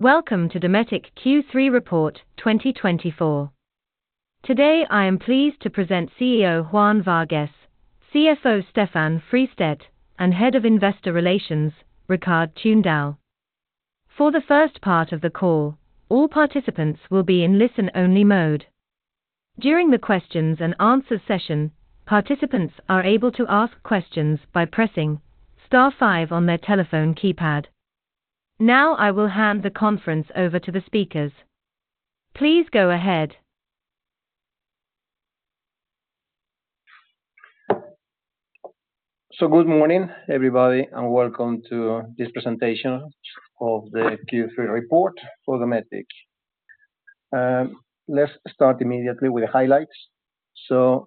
Welcome to Dometic Q3 2024 Report. Today, I am pleased to present CEO Juan Vargues, CFO Stefan Fristedt, and Head of Investor Relations Rikard Tunedal. For the first part of the call, all participants will be in listen-only mode. During the questions and answers session, participants are able to ask questions by pressing star five on their telephone keypad. Now, I will hand the conference over to the speakers. Please go ahead. Good morning, everybody, and welcome to this presentation of the Q3 report for Dometic. Let's start immediately with the highlights. So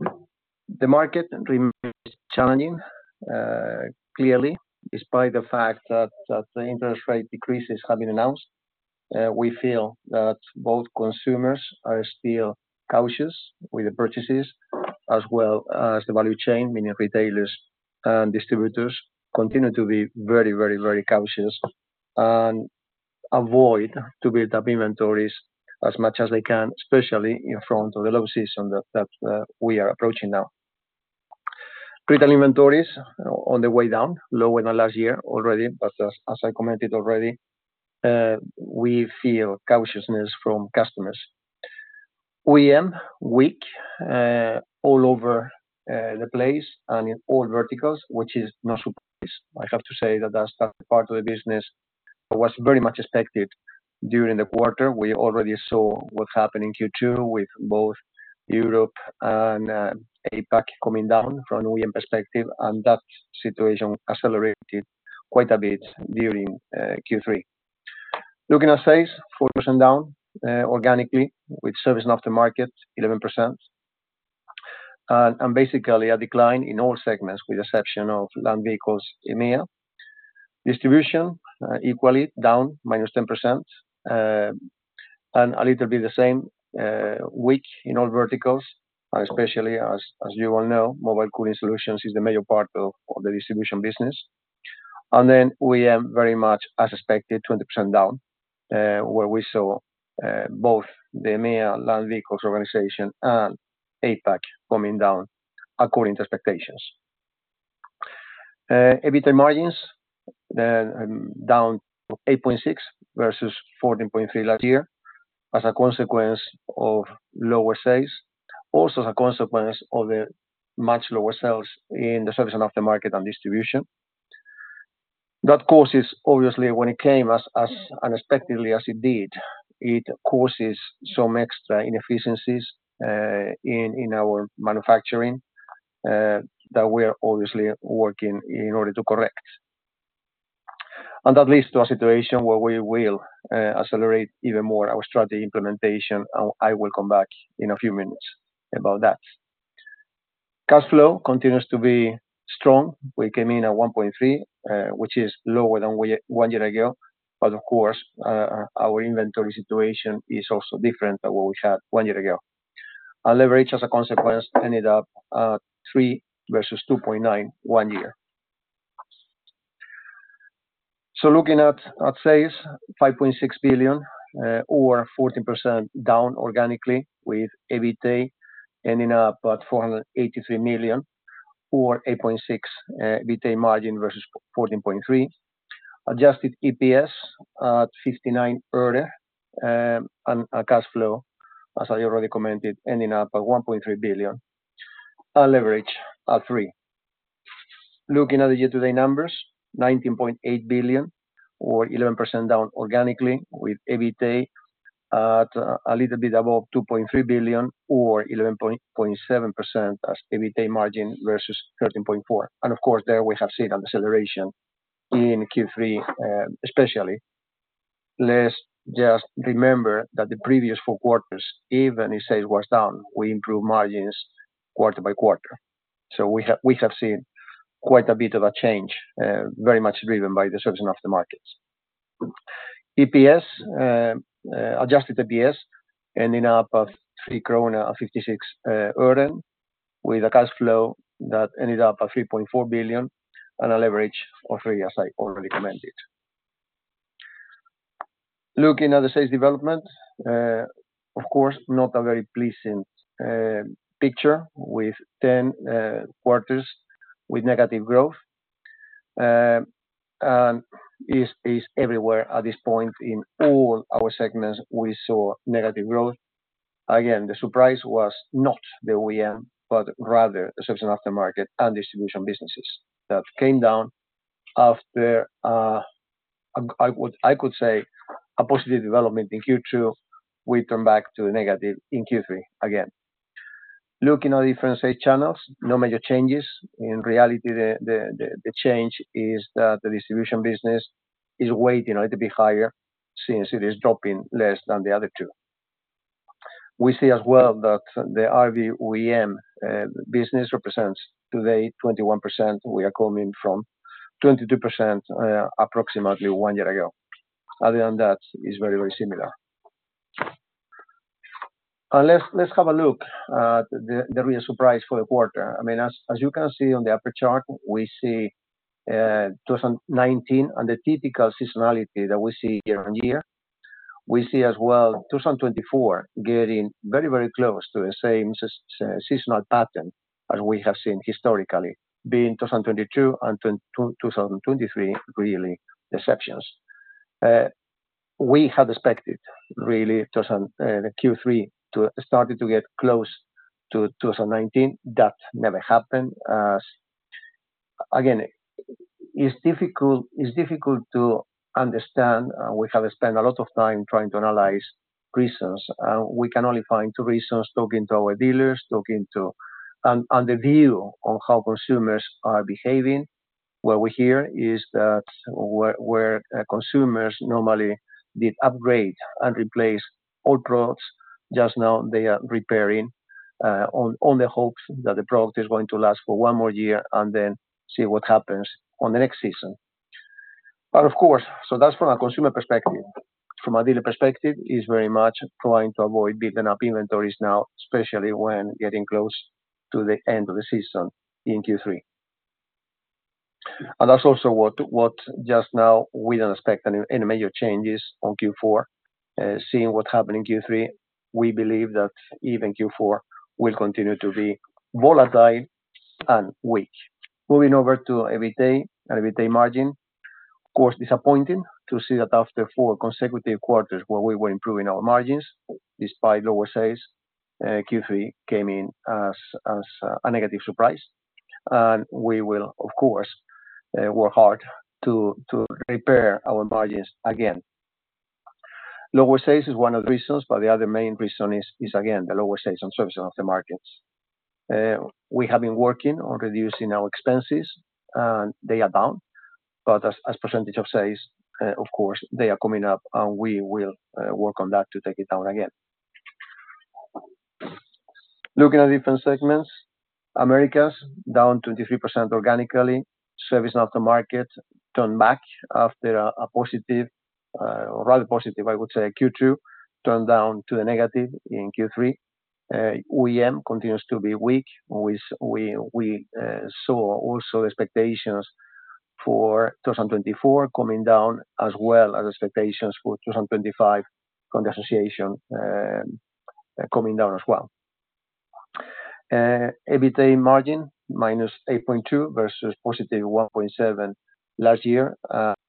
the market remains challenging, clearly, despite the fact that the interest rate decreases have been announced, we feel that both consumers are still cautious with the purchases, as well as the value chain, meaning retailers and distributors continue to be very, very, very cautious and avoid to build up inventories as much as they can, especially in front of the low season that we are approaching now. Retail inventories on the way down, lower than last year already, but as I commented already, we feel cautiousness from customers. OEM weak, all over the place and in all verticals, which is no surprise. I have to say that that's part of the business that was very much expected during the quarter. We already saw what happened in Q2 with both Europe and APAC coming down from an OEM perspective, and that situation accelerated quite a bit during Q3. Looking at sales, 4% down organically, with service and aftermarket, 11%. And basically a decline in all segments, with the exception of Land Vehicles EMEA. Distribution equally down minus 10%, and a little bit the same weak in all verticals, especially as you all know, Mobile Cooling Solutions is the major part of the distribution business. And then we are very much as expected, 20% down, where we saw both the EMEA Land Vehicles organization and APAC coming down according to expectations. EBITDA margins, then, down to 8.6% versus 14.3% last year, as a consequence of lower sales. Also, as a consequence of the much lower sales in the service and aftermarket and distribution. That causes, obviously, when it came as unexpectedly as it did, it causes some extra inefficiencies in our manufacturing that we are obviously working in order to correct. And that leads to a situation where we will accelerate even more our strategy implementation, and I will come back in a few minutes about that. Cash flow continues to be strong. We came in at 1.3, which is lower than one year ago, but of course, our inventory situation is also different than what we had one year ago. Our leverage as a consequence ended up at 3 vs. 2.9 one year. So looking at sales, 5.6 billion or 14% down organically, with EBITA ending up at 483 million, or 8.6% EBITA margin vs. 14.3%. Adjusted EPS at SEK 0.59, and our cash flow, as I already commented, ending up at 1.3 billion, our leverage at 3. Looking at the year-to-date numbers, 19.8 billion or 11% down organically, with EBITA at a little bit above 2.3 billion or 11.7% as EBITA margin vs. 13.4%. And of course, there we have seen an acceleration in Q3, especially. Let's just remember that the previous four quarters, even if sales was down, we improved margins quarter by quarter. We have seen quite a bit of a change, very much driven by the softness of the markets. Adjusted EPS ending up at 3.56 krona, with a cash flow that ended up at 3.4 billion and a leverage of 3, as I already commented. Looking at the sales development, of course, not a very pleasing picture with 10 quarters with negative growth. And it is everywhere at this point in all our segments, we saw negative growth. Again, the surprise was not the OEM, but rather the service and aftermarket, and distribution businesses that came down after I could say a positive development in Q2, we turned back to negative in Q3 again. Looking at our different sales channels, no major changes. In reality, the change is that the distribution business is weighing a little bit higher since it is dropping less than the other two. We see as well that the RV OEM business represents today 21%. We are coming from 22%, approximately one year ago. Other than that, it's very, very similar. Let's have a look at the real surprise for the quarter. I mean, as you can see on the upper chart, we see 2019 and the typical seasonality that we see year on year. We see as well, 2024 getting very, very close to the same seasonal pattern that we have seen historically, being 2022 and 2023, really exceptions. We had expected really 2024 Q3 to started to get close to 2019. That never happened. Again, it's difficult to understand, and we have spent a lot of time trying to analyze reasons, and we can only find two reasons: talking to our dealers, talking to... And the view on how consumers are behaving, what we hear is that where consumers normally did upgrade and replace old products, just now they are repairing on the hopes that the product is going to last for one more year and then see what happens on the next season. But of course, so that's from a consumer perspective. From a dealer perspective, is very much trying to avoid building up inventories now, especially when getting close to the end of the season in Q3. And that's also what just now we don't expect any major changes on Q4. Seeing what happened in Q3, we believe that even Q4 will continue to be volatile and weak. Moving over to EBITDA and EBITDA margin, of course, disappointing to see that after four consecutive quarters where we were improving our margins despite lower sales, Q3 came in as a negative surprise, and we will, of course, work hard to repair our margins again. Lower sales is one of the reasons, but the other main reason is again the lower sales and services of the markets. We have been working on reducing our expenses, and they are down, but as percentage of sales, of course, they are coming up, and we will work on that to take it down again. Looking at different segments, Americas, down 23% organically. Service aftermarket turned back after a positive, rather positive, I would say, Q2, turned down to a negative in Q3. OEM continues to be weak. We saw also expectations for 2024 coming down, as well as expectations for 2025 from the association coming down as well. EBITDA margin, -8.2% versus +1.7% last year.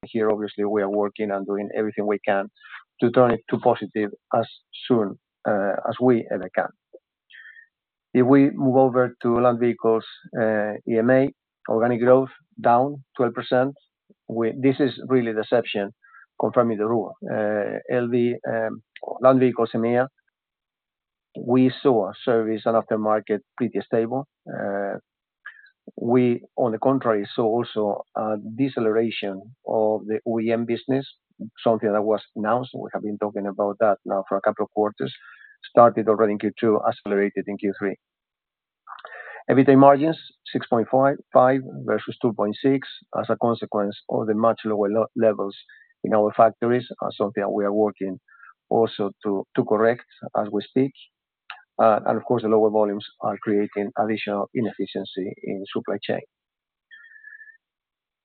Here, obviously, we are working on doing everything we can to turn it to positive as soon as we ever can. If we move over to Land Vehicles, EMEA, organic growth down 12%. This is really the exception confirming the rule. LV, Land Vehicles, EMEA, we saw service and aftermarket pretty stable. We, on the contrary, saw also a deceleration of the OEM business, something that was announced. We have been talking about that now for a couple of quarters, started already in Q2, accelerated in Q3. EBITDA margins, 6.55 versus 2.6, as a consequence of the much lower levels in our factories, and something we are working also to correct as we speak. And of course, the lower volumes are creating additional inefficiency in supply chain.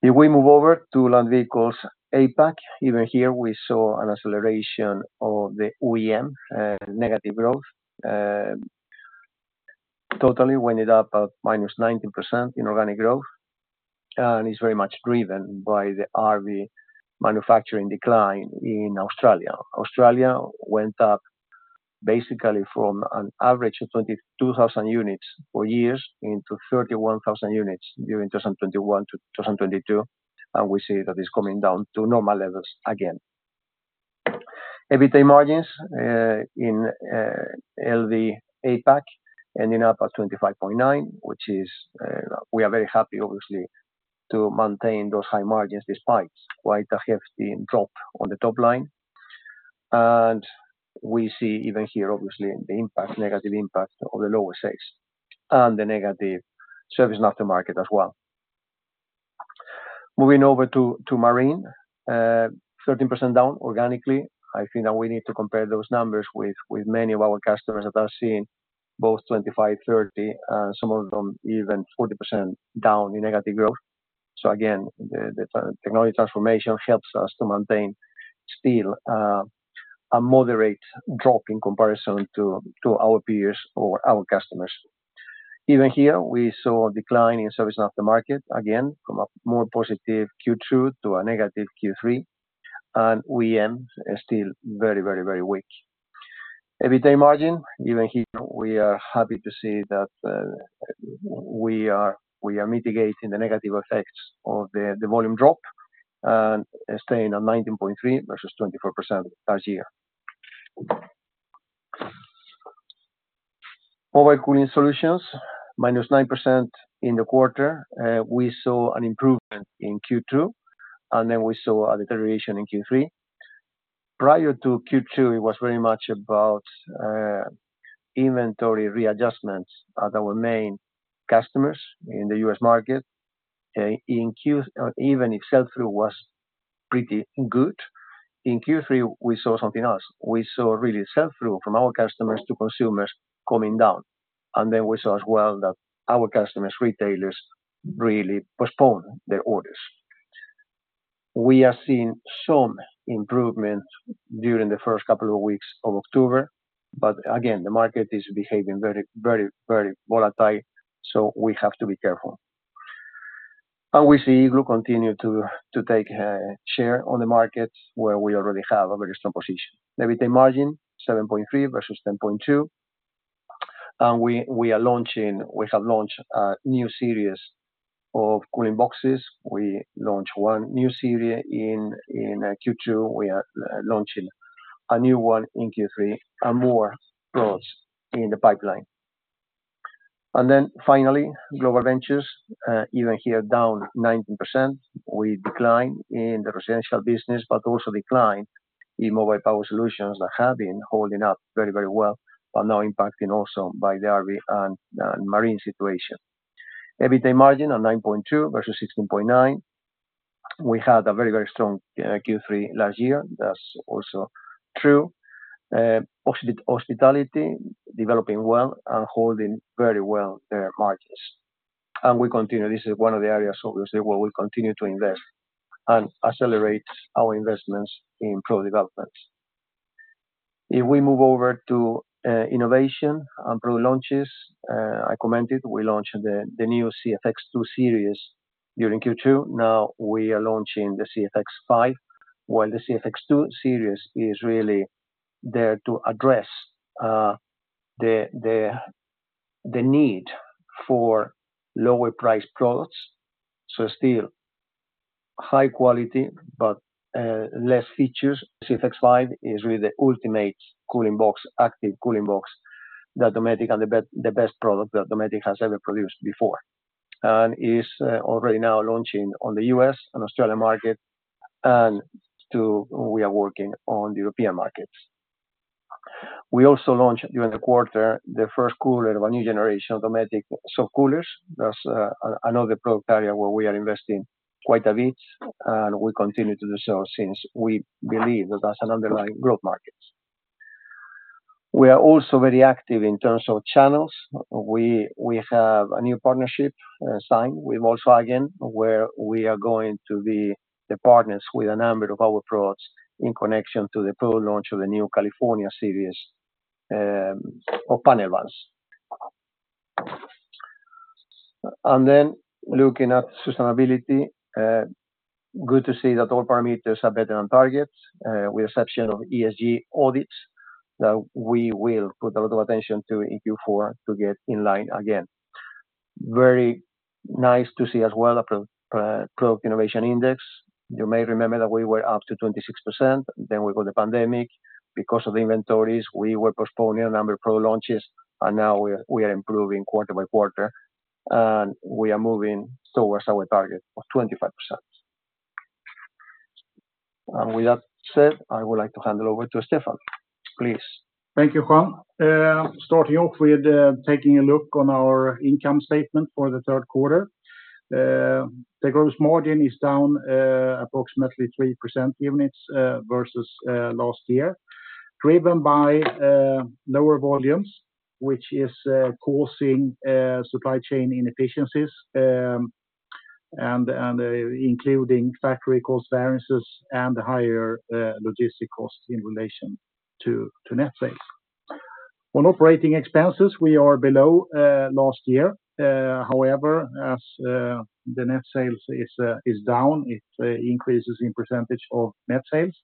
If we move over to Land Vehicles APAC, even here, we saw an acceleration of the OEM negative growth. Totally wind it up at -19% in organic growth, and it's very much driven by the RV manufacturing decline in Australia. Australia went up basically from an average of 22,000 units for years into 31,000 units during 2021 to 2022, and we see that it's coming down to normal levels again. EBITDA margins in LV APAC, ending up at 25.9%, which is, we are very happy, obviously, to maintain those high margins despite quite a hefty drop on the top line, and we see even here, obviously, the impact - negative impact of the lower sales and the negative service aftermarket as well. Moving over to Marine, 13% down organically. I think that we need to compare those numbers with, with many of our customers that are seeing both 25%, 30%, some of them even 40% down in negative growth. Again, the technology transformation helps us to maintain still a moderate drop in comparison to our peers or our customers. Even here, we saw a decline in service aftermarket, again, from a more positive Q2 to a negative Q3, and OEM is still very, very, very weak. EBITDA margin, even here, we are happy to see that we are mitigating the negative effects of the volume drop and staying at 19.3% versus 24% last year. Mobile Cooling Solutions, -9% in the quarter. We saw an improvement in Q2, and then we saw a deterioration in Q3. Prior to Q2, it was very much about inventory readjustments at our main customers in the US market. In Q2, even if sell-through was pretty good. In Q3, we saw something else. We saw really sell-through from our customers to consumers coming down, and then we saw as well that our customers, retailers, really postponed their orders. We are seeing some improvement during the first couple of weeks of October, but again, the market is behaving very, very, very volatile, so we have to be careful. We see Igloo continue to take share on the markets where we already have a very strong position. EBITA margin 7.3 versus 10.2. We have launched a new series of cooling boxes. We launched one new series in Q2. We are launching a new one in Q3, and more products in the pipeline. Then finally, Global Ventures even here down 19%. We decline in the residential business, but also decline in mobile power solutions that have been holding up very, very well, but now impacting also by the RV and marine situation. EBITA margin of 9.2 versus 16.9. We had a very, very strong Q3 last year. That's also true. Hospitality developing well and holding very well, margins, and we continue, this is one of the areas obviously, where we'll continue to invest and accelerate our investments in product development. If we move over to innovation and product launches, I commented, we launched the new CFX2 series during Q2. Now we are launching the CFX5, while the CFX2 series is really there to address the need for lower price products. So still high quality, but less features. CFX5 is really the ultimate cooling box, active cooling box, that Dometic, and the best product that Dometic has ever produced before, and is already now launching on the U.S. and Australia market, and we are working on the European markets. We also launched during the quarter, the first cooler of a new generation of Dometic soft coolers. That's another product area where we are investing quite a bit, and we continue to do so since we believe that that's an underlying growth market. We are also very active in terms of channels. We have a new partnership signed with Volkswagen, where we are going to be the partners with a number of our products in connection to the full launch of the new California series of panel vans. And then looking at sustainability, good to see that all parameters are better on targets, with exception of ESG audits, that we will put a lot of attention to in Q4 to get in line again. Very nice to see as well, a product innovation index. You may remember that we were up to 26%, then we got the pandemic. Because of the inventories, we were postponing a number of product launches, and now we are improving quarter by quarter, and we are moving towards our target of 25%. And with that said, I would like to hand it over to Stefan, please. Thank you, Juan. Starting off with taking a look on our income statement for the third quarter. The gross margin is down approximately 3 percentage points versus last year. Driven by lower volumes, which is causing supply chain inefficiencies and including factory cost variances and higher logistic costs in relation to net sales. On operating expenses, we are below last year. However, as the net sales is down, it increases in percentage of net sales,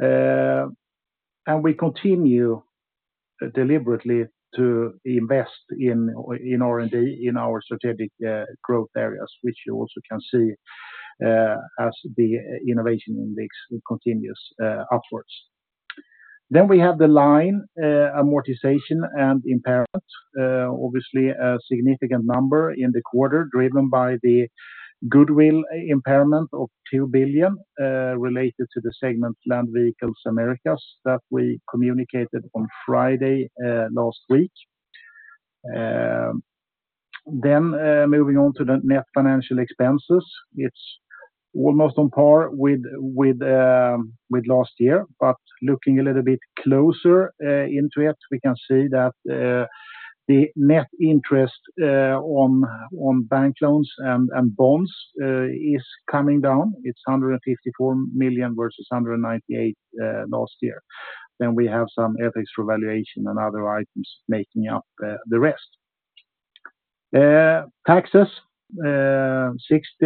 and we continue deliberately to invest in R&D in our strategic growth areas, which you also can see as the Innovation Index continues upwards. Then we have the line amortization and impairment. Obviously a significant number in the quarter, driven by the goodwill impairment of 2 billion, related to the segment Land Vehicles Americas, that we communicated on Friday, last week. Then, moving on to the net financial expenses, it's almost on par with last year. But looking a little bit closer into it, we can see that the net interest on bank loans and bonds is coming down. It's 154 million versus 198 last year. Then we have some FX revaluation and other items making up the rest. Taxes,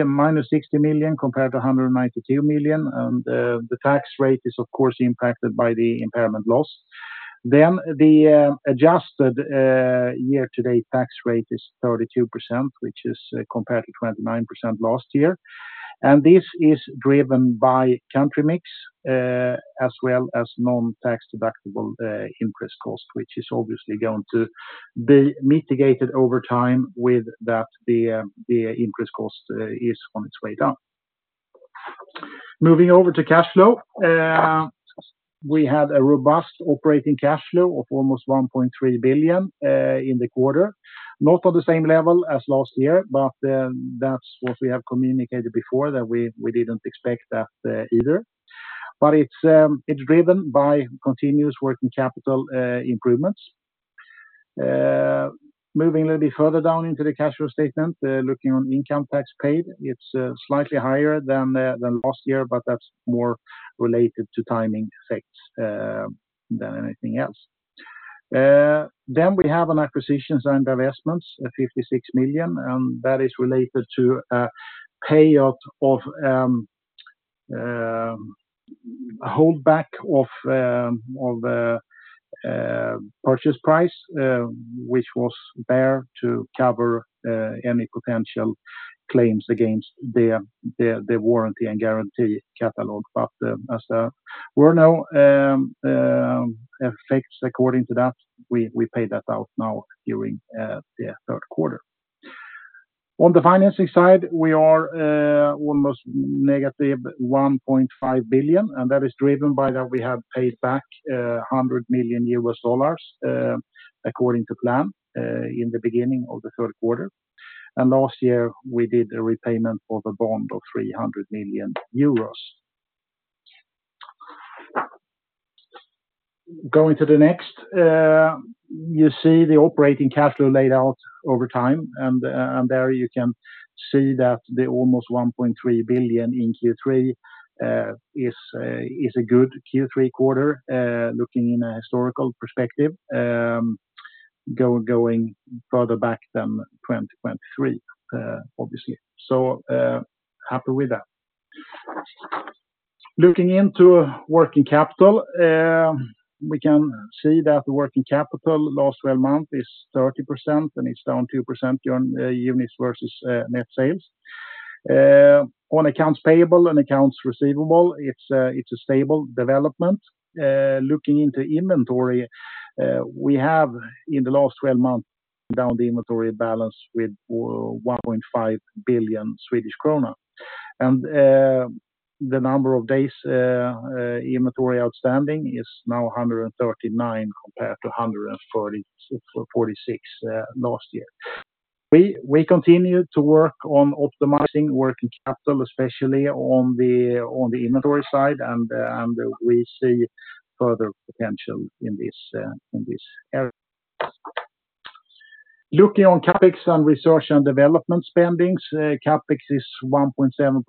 minus 60 million compared to 192 million, and the tax rate is of course impacted by the impairment loss. Then the adjusted year-to-date tax rate is 32%, which is compared to 29% last year. And this is driven by country mix, as well as non-tax deductible interest cost, which is obviously going to be mitigated over time with that the interest cost is on its way down. Moving over to cash flow. We had a robust operating cash flow of almost 1.3 billion in the quarter. Not on the same level as last year, but that's what we have communicated before, that we didn't expect that either. But it's driven by continuous working capital improvements. Moving a little bit further down into the cash flow statement, looking on income tax paid, it's slightly higher than last year, but that's more related to timing effects than anything else. Then we have acquisitions and divestments at 56 million, and that is related to a payout of a holdback of purchase price, which was there to cover any potential claims against the warranty and guarantee catalog. But as there were no effects according to that, we paid that out now during the third quarter. On the financing side, we are almost negative 1.5 billion, and that is driven by that we have paid back $100 million according to plan in the beginning of the third quarter. Last year, we did a repayment of a bond of 300 million euros. Going to the next, you see the operating cash flow laid out over time, and and there you can see that the almost 1.3 billion in Q3 is a good Q3 quarter, looking in a historical perspective, going further back than 2023, obviously. Happy with that. Looking into working capital, we can see that the working capital last twelve months is 30%, and it's down 2% year units versus net sales. Looking into inventory, we have, in the last twelve months, down the inventory balance with 1.5 billion Swedish krona. The number of days inventory outstanding is now 139 compared to 146 last year. We continue to work on optimizing working capital, especially on the inventory side, and we see further potential in this area. Looking on CapEx and research and development spendings, CapEx is 1.7%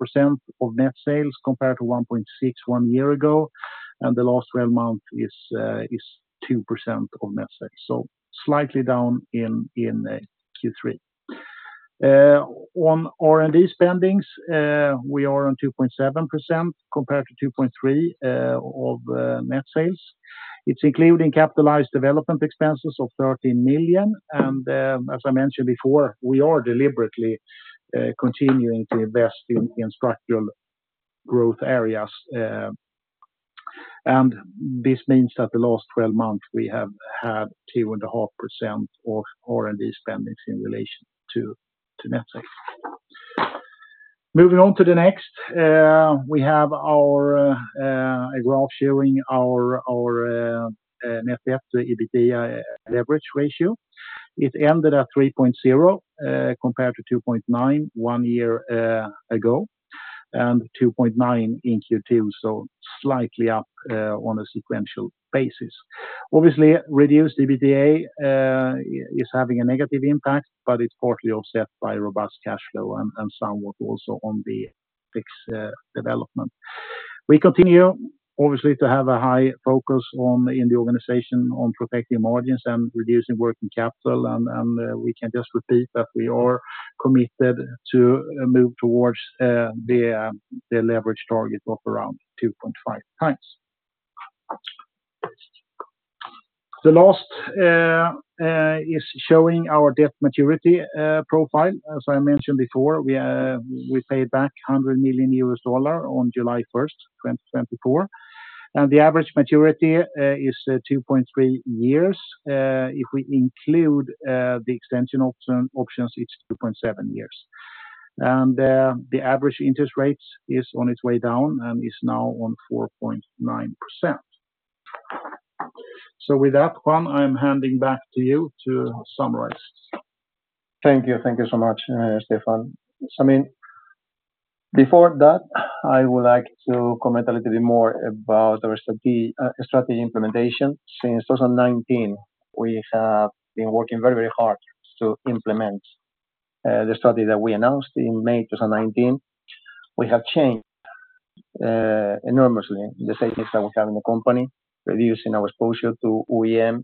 of net sales, compared to 1.6% one year ago, and the last 12 months is 2% of net sales. Slightly down in Q3. On R&D spendings, we are on 2.7% compared to 2.3% of net sales. It's including capitalized development expenses of 13 million, and as I mentioned before, we are deliberately continuing to invest in structural growth areas. This means that the last twelve months, we have had 2.5% of R&D spending in relation to net sales. Moving on to the next, we have a graph showing our net debt/EBITDA leverage ratio. It ended at 3.0, compared to 2.9 one year ago, and 2.9 in Q2, so slightly up on a sequential basis. Obviously, reduced EBITDA is having a negative impact, but it's partly offset by robust cash flow and somewhat also on the fixed development. We continue, obviously, to have a high focus on, in the organization, on protecting margins and reducing working capital. And we can just repeat that we are committed to move towards the leverage target of around 2.5 times. The last is showing our debt maturity profile. As I mentioned before, we paid back $100 million on July first, 2024, and the average maturity is 2.3 years. If we include the extension options, it's 2.7 years, and the average interest rates is on its way down and is now on 4.9%. So with that, Juan, I'm handing back to you to summarize. Thank you. Thank you so much, Stefan. So, I mean, before that, I would like to comment a little bit more about our strategy implementation. Since 2019, we have been working very, very hard to implement the strategy that we announced in May 2019. We have changed enormously the strategies that we have in the company, reducing our exposure to OEM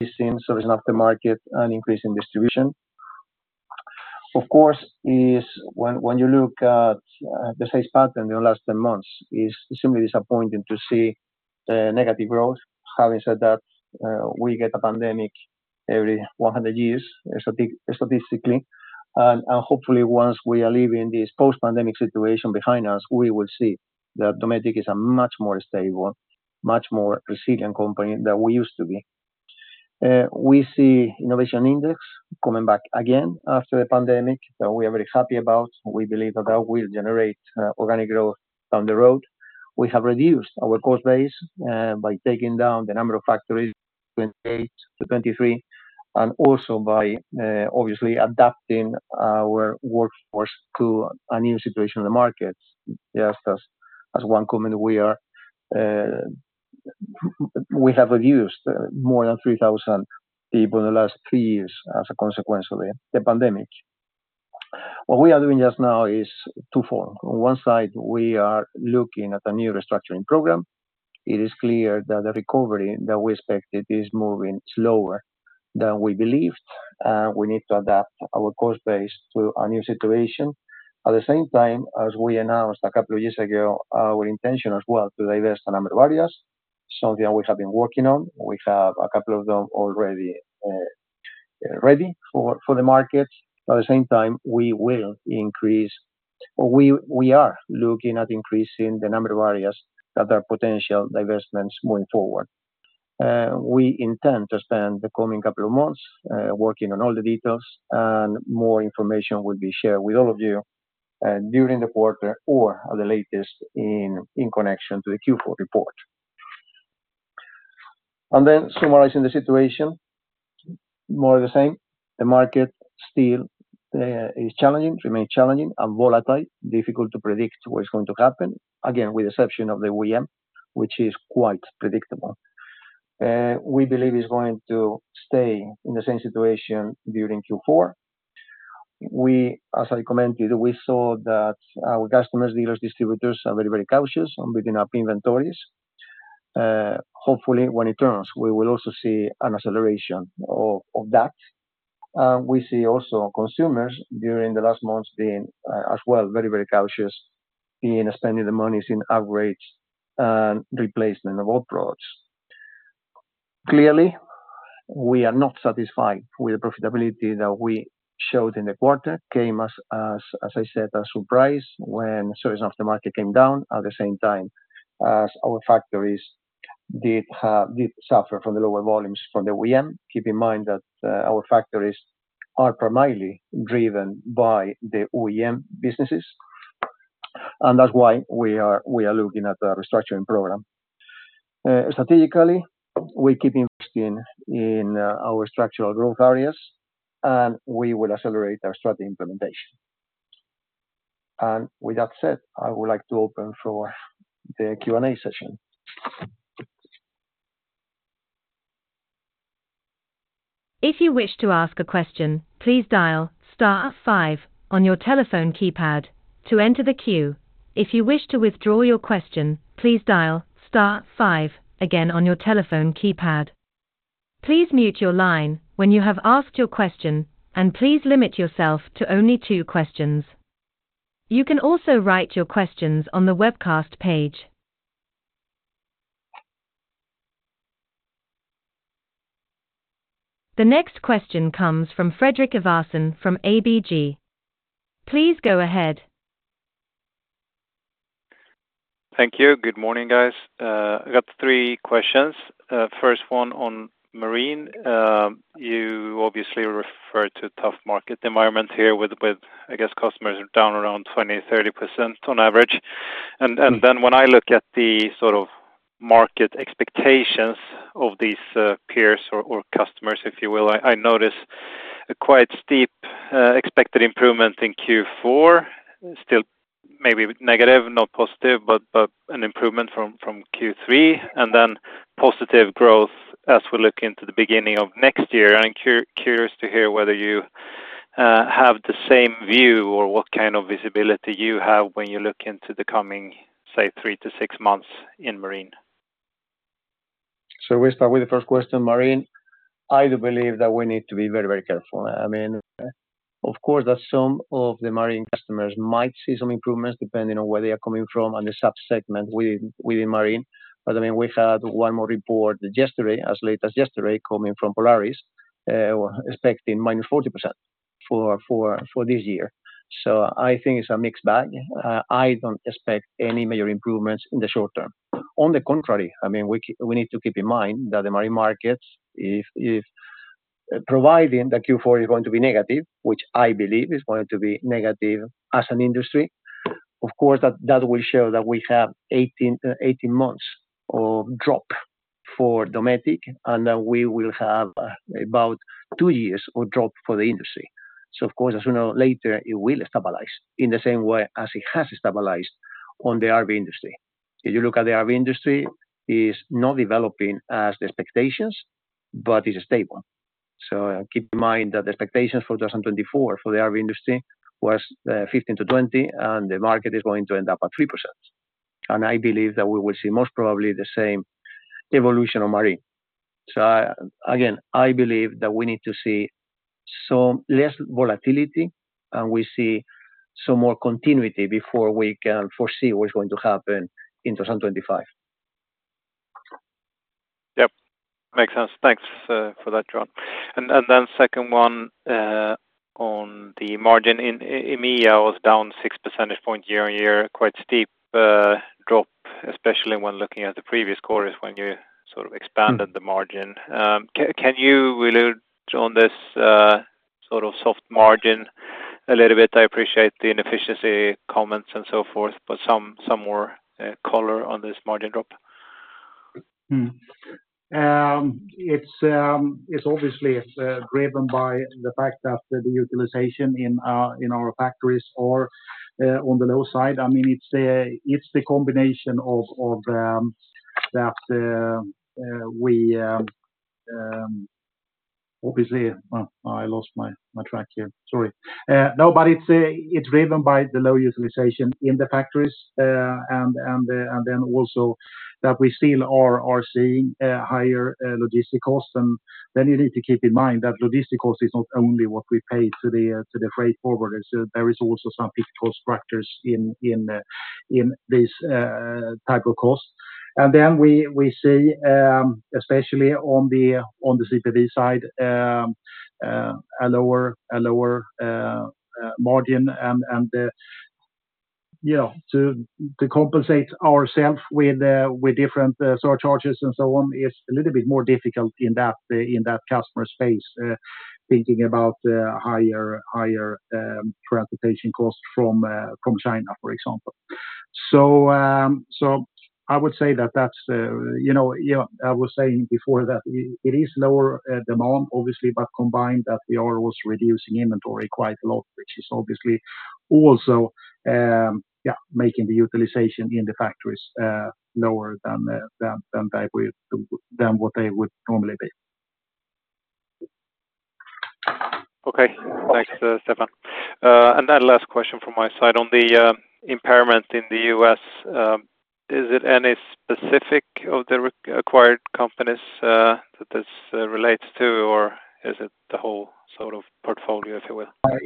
it seems, so it's not the market and increase in distribution. Of course, when you look at the sales pattern in the last 10 months, it's extremely disappointing to see negative growth. Having said that, we get a pandemic every 100 years, statistically, and hopefully, once we are leaving this post-pandemic situation behind us, we will see that Dometic is a much more stable, much more resilient company than we used to be. We see Innovation Index coming back again after the pandemic, that we are very happy about. We believe that that will generate organic growth down the road. We have reduced our cost base by taking down the number of factories, 28-23, and also by obviously adapting our workforce to a new situation in the markets. Just as one company, we have reduced more than 3,000 people in the last three years as a consequence of the pandemic. What we are doing just now is twofold. On one side, we are looking at a new restructuring program. It is clear that the recovery that we expected is moving slower than we believed, and we need to adapt our cost base to a new situation. At the same time, as we announced a couple of years ago, our intention as well, to divest a number of areas, something that we have been working on. We have a couple of them already, ready for the market. At the same time, we will increase, or we are looking at increasing the number of areas that are potential divestments moving forward. We intend to spend the coming couple of months, working on all the details, and more information will be shared with all of you, during the quarter or at the latest in connection to the Q4 report. Then summarizing the situation, more of the same, the market still is challenging, remains challenging and volatile, difficult to predict what is going to happen. Again, with the exception of the OEM, which is quite predictable. We believe it's going to stay in the same situation during Q4. We, as I commented, we saw that our customers, dealers, distributors are very, very cautious on building up inventories. Hopefully, when it turns, we will also see an acceleration of, of that. We see also consumers during the last months being, as well, very, very cautious in spending the money in upgrades and replacement of old products. Clearly, we are not satisfied with the profitability that we showed in the quarter, came as, as, as I said, a surprise when certain of the market came down at the same time as our factories did have, did suffer from the lower volumes from the OEM. Keep in mind that, our factories are primarily driven by the OEM businesses, and that's why we are, we are looking at a restructuring program. Strategically, we keep investing in our structural growth areas, and we will accelerate our strategy implementation. And with that said, I would like to open for the Q&A session. If you wish to ask a question, please dial star five on your telephone keypad to enter the queue. If you wish to withdraw your question, please dial star five again on your telephone keypad. Please mute your line when you have asked your question, and please limit yourself to only two questions. You can also write your questions on the webcast page. The next question comes from Fredrik Ivarsson from ABG. Please go ahead. Thank you. Good morning, guys. I got three questions. First one on marine. You obviously referred to a tough market environment here with, I guess, customers are down around 20-30% on average. And then when I look at the sort of market expectations of these, peers or customers, if you will, I notice a quite steep, expected improvement in Q4. Still maybe negative, not positive, but an improvement from Q3, and then positive growth as we look into the beginning of next year. I'm curious to hear whether you have the same view or what kind of visibility you have when you look into the coming, say, three to six months in marine. We start with the first question, marine. I do believe that we need to be very, very careful. I mean, of course, that some of the marine customers might see some improvements depending on where they are coming from and the sub-segment within marine. But, I mean, we had one more report yesterday, as late as yesterday, coming from Polaris, expecting -40% for this year. So I think it's a mixed bag. I don't expect any major improvements in the short term. On the contrary, I mean, we need to keep in mind that the marine markets, if providing that Q4 is going to be negative, which I believe is going to be negative as an industry, of course, that will show that we have 18 months of drop for Dometic, and that we will have about two years of drop for the industry. So of course, as you know, later it will stabilize in the same way as it has stabilized on the RV industry. If you look at the RV industry, is not developing as the expectations, but it's stable. So keep in mind that the expectations for 2024 for the RV industry was 15%-20%, and the market is going to end up at 3%. And I believe that we will see most probably the same evolution of marine. So, again, I believe that we need to see some less volatility, and we see some more continuity before we can foresee what's going to happen in twenty twenty-five. Yep. Makes sense. Thanks for that, John. And then second one, on the margin in EMEA was down six percentage points year on year, quite steep drop, especially when looking at the previous quarters when you sort of expanded the margin. Can you allude on this sort of soft margin a little bit? I appreciate the inefficiency comments and so forth, but some more color on this margin drop. It's obviously driven by the fact that the utilization in our factories are on the low side. I mean, it's the combination of that we obviously... I lost my track here. Sorry. No, but it's driven by the low utilization in the factories. Then also that we still are seeing higher logistic costs. You need to keep in mind that logistic cost is not only what we pay to the freight forwarders. There is also some fixed cost structures in this type of cost. Then we see, especially on the CPV side, a lower margin. To compensate ourselves with different surcharges and so on is a little bit more difficult in that customer space. Thinking about higher transportation costs from China, for example. So I would say that that's, you know, yeah, I was saying before that it is lower demand, obviously, but combined that we are also reducing inventory quite a lot, which is obviously also, yeah, making the utilization in the factories lower than what they would normally be. Okay. Thanks, Stefan. And then last question from my side. On the impairment in the US, is it any specific of the re-acquired companies that this relates to, or is it the whole sort of portfolio, if you will?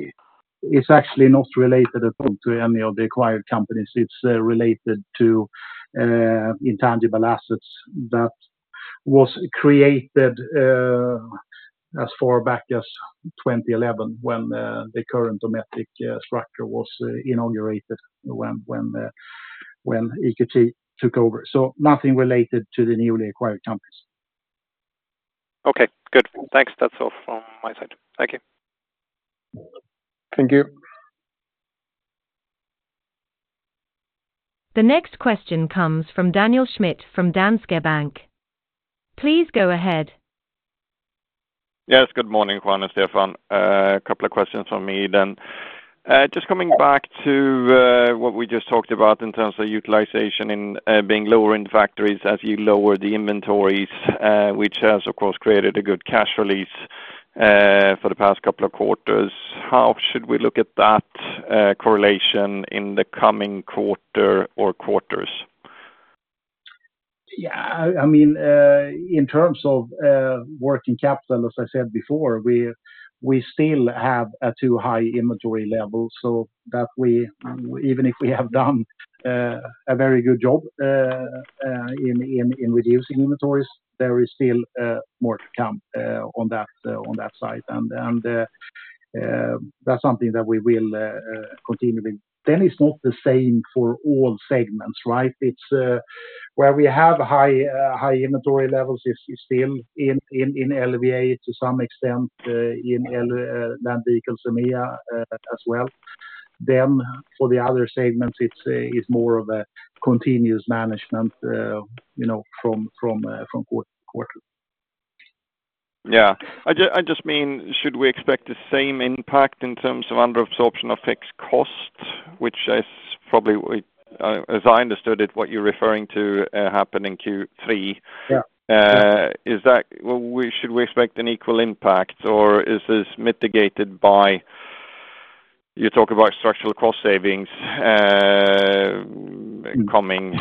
It's actually not related at all to any of the acquired companies. It's related to intangible assets that was created as far back as 2011, when the current Dometic structure was inaugurated, when EQT took over. So nothing related to the newly acquired companies. Okay, good. Thanks. That's all from my side. Thank you. Thank you. The next question comes from Daniel Schmidt from Danske Bank. Please go ahead. Yes, good morning, Juan and Stefan. A couple of questions from me then. Just coming back to what we just talked about in terms of utilization in being lower in factories as you lower the inventories, which has, of course, created a good cash release for the past couple of quarters. How should we look at that correlation in the coming quarter or quarters? Yeah, I mean, in terms of working capital, as I said before, we still have a too high inventory level, so that we even if we have done a very good job in reducing inventories, there is still more to come on that side, and that's something that we will continue with. Then it's not the same for all segments, right? It's where we have high inventory levels is still in LVA, to some extent, in Land Vehicles EMEA, as well. Then for the other segments, it's more of a continuous management, you know, from quarter to quarter. Yeah. I just mean, should we expect the same impact in terms of under absorption of fixed costs, which is probably, as I understood it, what you're referring to, happened in Q3? Yeah. Should we expect an equal impact, or is this mitigated by... You talk about structural cost savings coming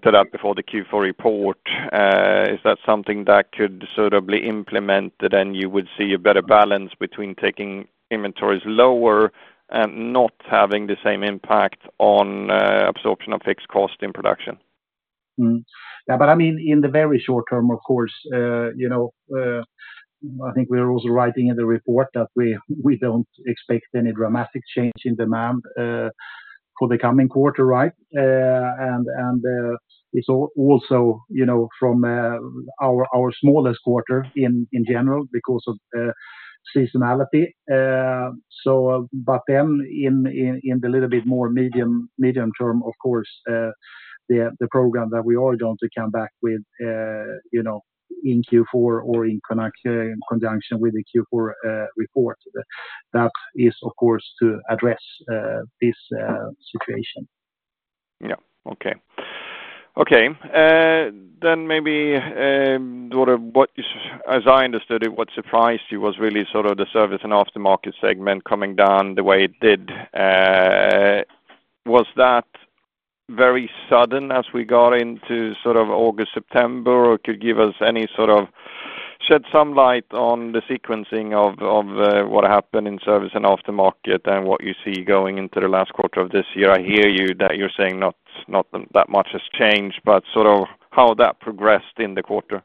to that before the Q4 report. Is that something that could suitably implement, then you would see a better balance between taking inventories lower and not having the same impact on absorption of fixed cost in production? Hmm. Yeah, but I mean, in the very short term, of course, you know, I think we are also writing in the report that we don't expect any dramatic change in demand for the coming quarter, right? And it's also, you know, from our smallest quarter in general, because of seasonality. So, but then in the little bit more medium term, of course, the program that we are going to come back with, you know, in Q4 or in conjunction with the Q4 report, that is, of course, to address this situation. Yeah. Okay. Okay, then maybe, sort of what, as I understood it, what surprised you was really sort of the service and aftermarket segment coming down the way it did. Was that very sudden as we got into sort of August, September, or could you give us any sort of shed some light on the sequencing of what happened in service and aftermarket, and what you see going into the last quarter of this year? I hear you, that you're saying not that much has changed, but sort of how that progressed in the quarter.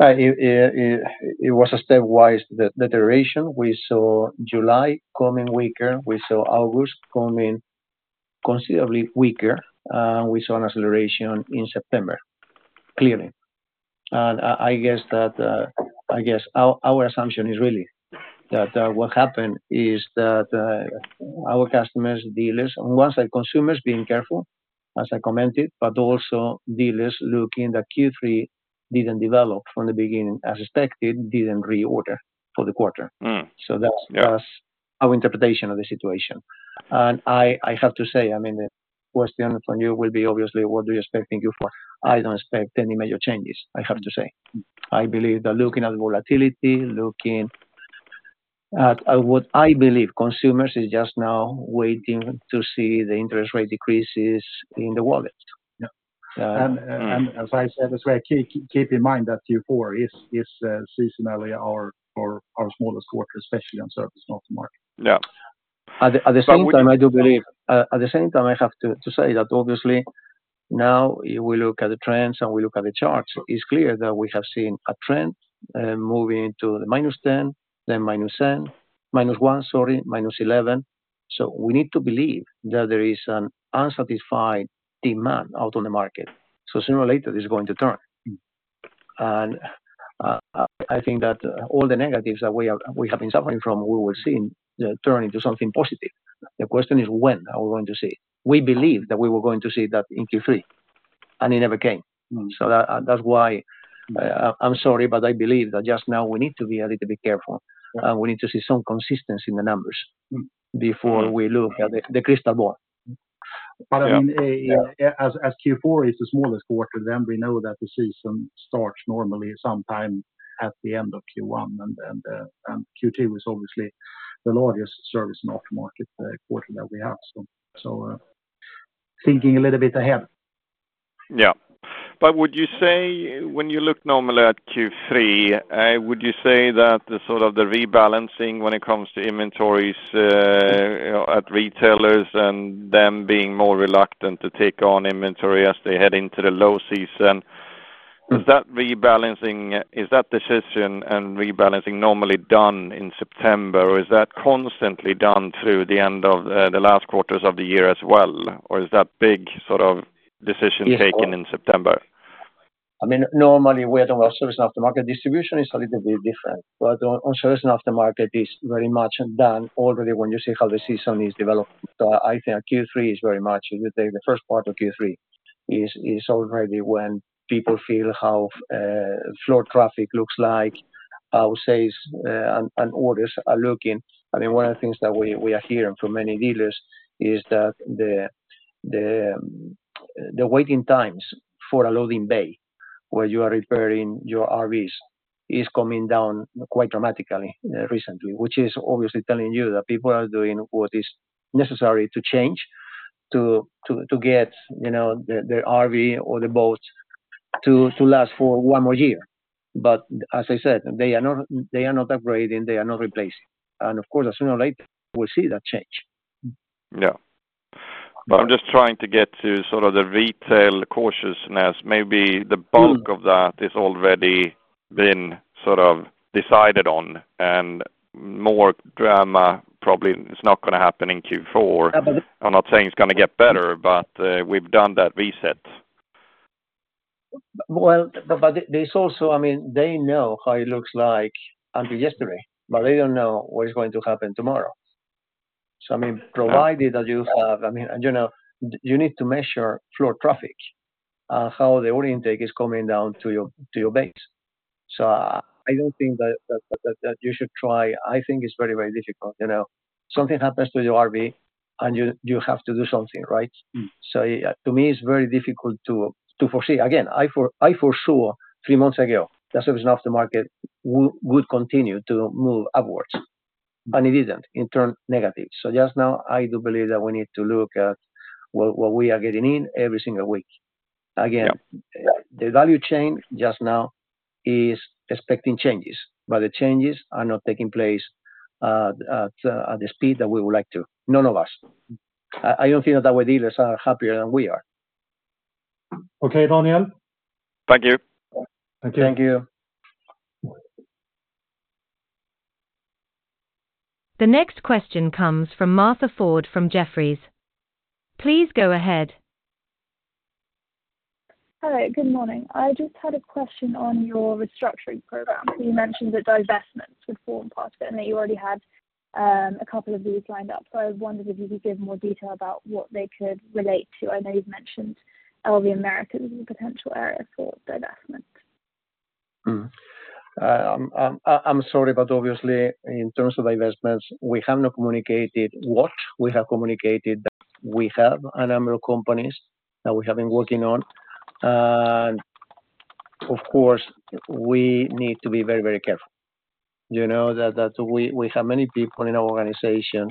It was a stepwise deterioration. We saw July coming weaker, we saw August coming considerably weaker. We saw an acceleration in September, clearly. I guess that our assumption is really that what happened is that our customers, dealers, and end consumers being careful, as I commented, but also dealers looking at Q3 didn't develop from the beginning as expected, didn't reorder for the quarter. Mm. So that's- Yeah ... our interpretation of the situation. And I have to say, I mean, the question from you will be obviously, what are we expecting Q4? I don't expect any major changes, I have to say. I believe that looking at volatility, looking at what I believe consumers is just now waiting to see the interest rate decreases in the wallet. Yeah. Uh- As I said, as well, keep in mind that Q4 is seasonally our smallest quarter, especially on service aftermarket. Yeah. At the same time, I do believe at the same time, I have to say that obviously, now, if we look at the trends and we look at the charts, it's clear that we have seen a trend moving to the minus 10, then minus 10, minus one, sorry, minus 11. So we need to believe that there is an unsatisfied demand out on the market, so sooner or later, this is going to turn. And I think that all the negatives that we have been suffering from, we will see them turn into something positive. The question is when are we going to see? We believe that we were going to see that in Q3, and it never came. Mm. So that, that's why, I'm sorry, but I believe that just now we need to be a little bit careful, and we need to see some consistency in the numbers. Mm... before we look at the crystal ball. Yeah. But I mean, as Q4 is the smallest quarter, then we know that the season starts normally sometime at the end of Q1, and then Q2 is obviously the largest service aftermarket quarter that we have. So, thinking a little bit ahead. Yeah. But would you say, when you look normally at Q3, would you say that the sort of rebalancing when it comes to inventories at retailers and them being more reluctant to take on inventory as they head into the low season, is that rebalancing? Is that decision and rebalancing normally done in September, or is that constantly done through the end of the last quarters of the year as well, or is that big sort of decision taken in September? I mean, normally, we're talking about service aftermarket. Distribution is a little bit different, but on service aftermarket is very much done already when you see how the season is developing. So I think our Q3 is very much, the first part of Q3 is already when people feel how foot traffic looks like, our sales and orders are looking. I mean, one of the things that we are hearing from many dealers is that the waiting times for a service bay, where you are repairing your RVs, is coming down quite dramatically recently, which is obviously telling you that people are doing what is necessary to change to get, you know, the RV or the boat to last for one more year. But as I said, they are not, they are not upgrading, they are not replacing. And of course, sooner or later, we'll see that change. Yeah. But I'm just trying to get to sort of the retail cautiousness, maybe the- Mm... bulk of that is already been sort of decided on, and more drama probably is not gonna happen in Q4. Absolutely. I'm not saying it's gonna get better, but we've done that reset. But there's also... I mean, they know how it looks like until yesterday, but they don't know what is going to happen tomorrow. So I mean, provided that you have, I mean, you know, you need to measure floor traffic, how the order intake is coming down to your base. So I don't think that you should try. I think it's very, very difficult, you know. Something happens to your RV, and you have to do something, right? Mm. To me, it's very difficult to foresee. Again, I, for sure, three months ago, the service aftermarket would continue to move upwards, and it isn't. It turned negative. Just now, I do believe that we need to look at what we are getting in every single week. Yeah. Again, the value chain just now is expecting changes, but the changes are not taking place at the speed that we would like to, none of us. I don't think that our dealers are happier than we are. Okay, Daniel? Thank you. Thank you. Thank you. The next question comes from Martha Ford, from Jefferies. Please go ahead. Hi, good morning. I just had a question on your restructuring program. You mentioned that divestments would form part of it, and that you already had a couple of these lined up. So I wondered if you could give more detail about what they could relate to? I know you've mentioned Land Vehicles Americas as a potential area for divestment. I'm sorry, but obviously, in terms of divestments, we have not communicated what, we have communicated that we have a number of companies that we have been working on. And of course, we need to be very, very careful. You know, that we have many people in our organization,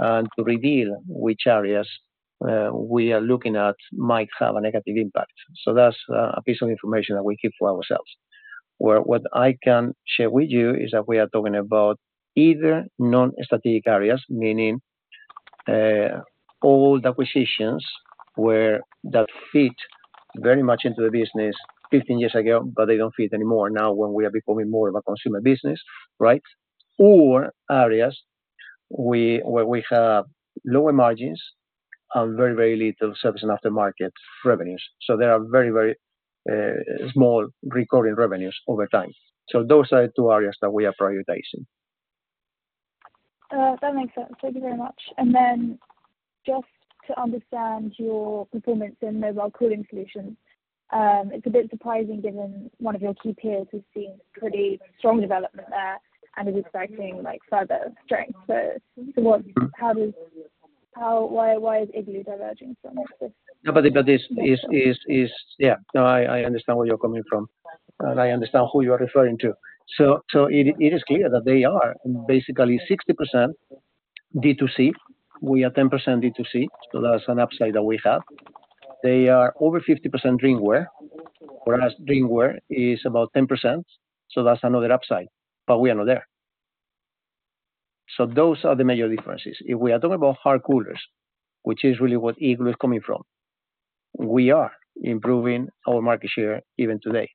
and to reveal which areas we are looking at might have a negative impact. So that's a piece of information that we keep to ourselves. What I can share with you is that we are talking about either non-strategic areas, meaning old acquisitions where that fit very much into the business 15 years ago, but they don't fit anymore now when we are becoming more of a consumer business, right? Or areas where we have lower margins and very, very little service and aftermarket revenues. So there are very, very small recurring revenues over time. So those are the two areas that we are prioritizing. That makes sense. Thank you very much. And then just to understand your performance in mobile cooling solutions, it's a bit surprising, given one of your key peers who's seen pretty strong development there and is expecting, like, further strength. So, what- Mm. Why, why is Igloo diverging so much? No, but this is – yeah, no, I understand where you're coming from, and I understand who you are referring to. So it is clear that they are basically 60% D2C. We are 10% D2C, so that's an upside that we have. They are over 50% drinkware, whereas drinkware is about 10%, so that's another upside. But we are not there. So those are the major differences. If we are talking about hard coolers, which is really what Igloo is coming from, we are improving our market share even today.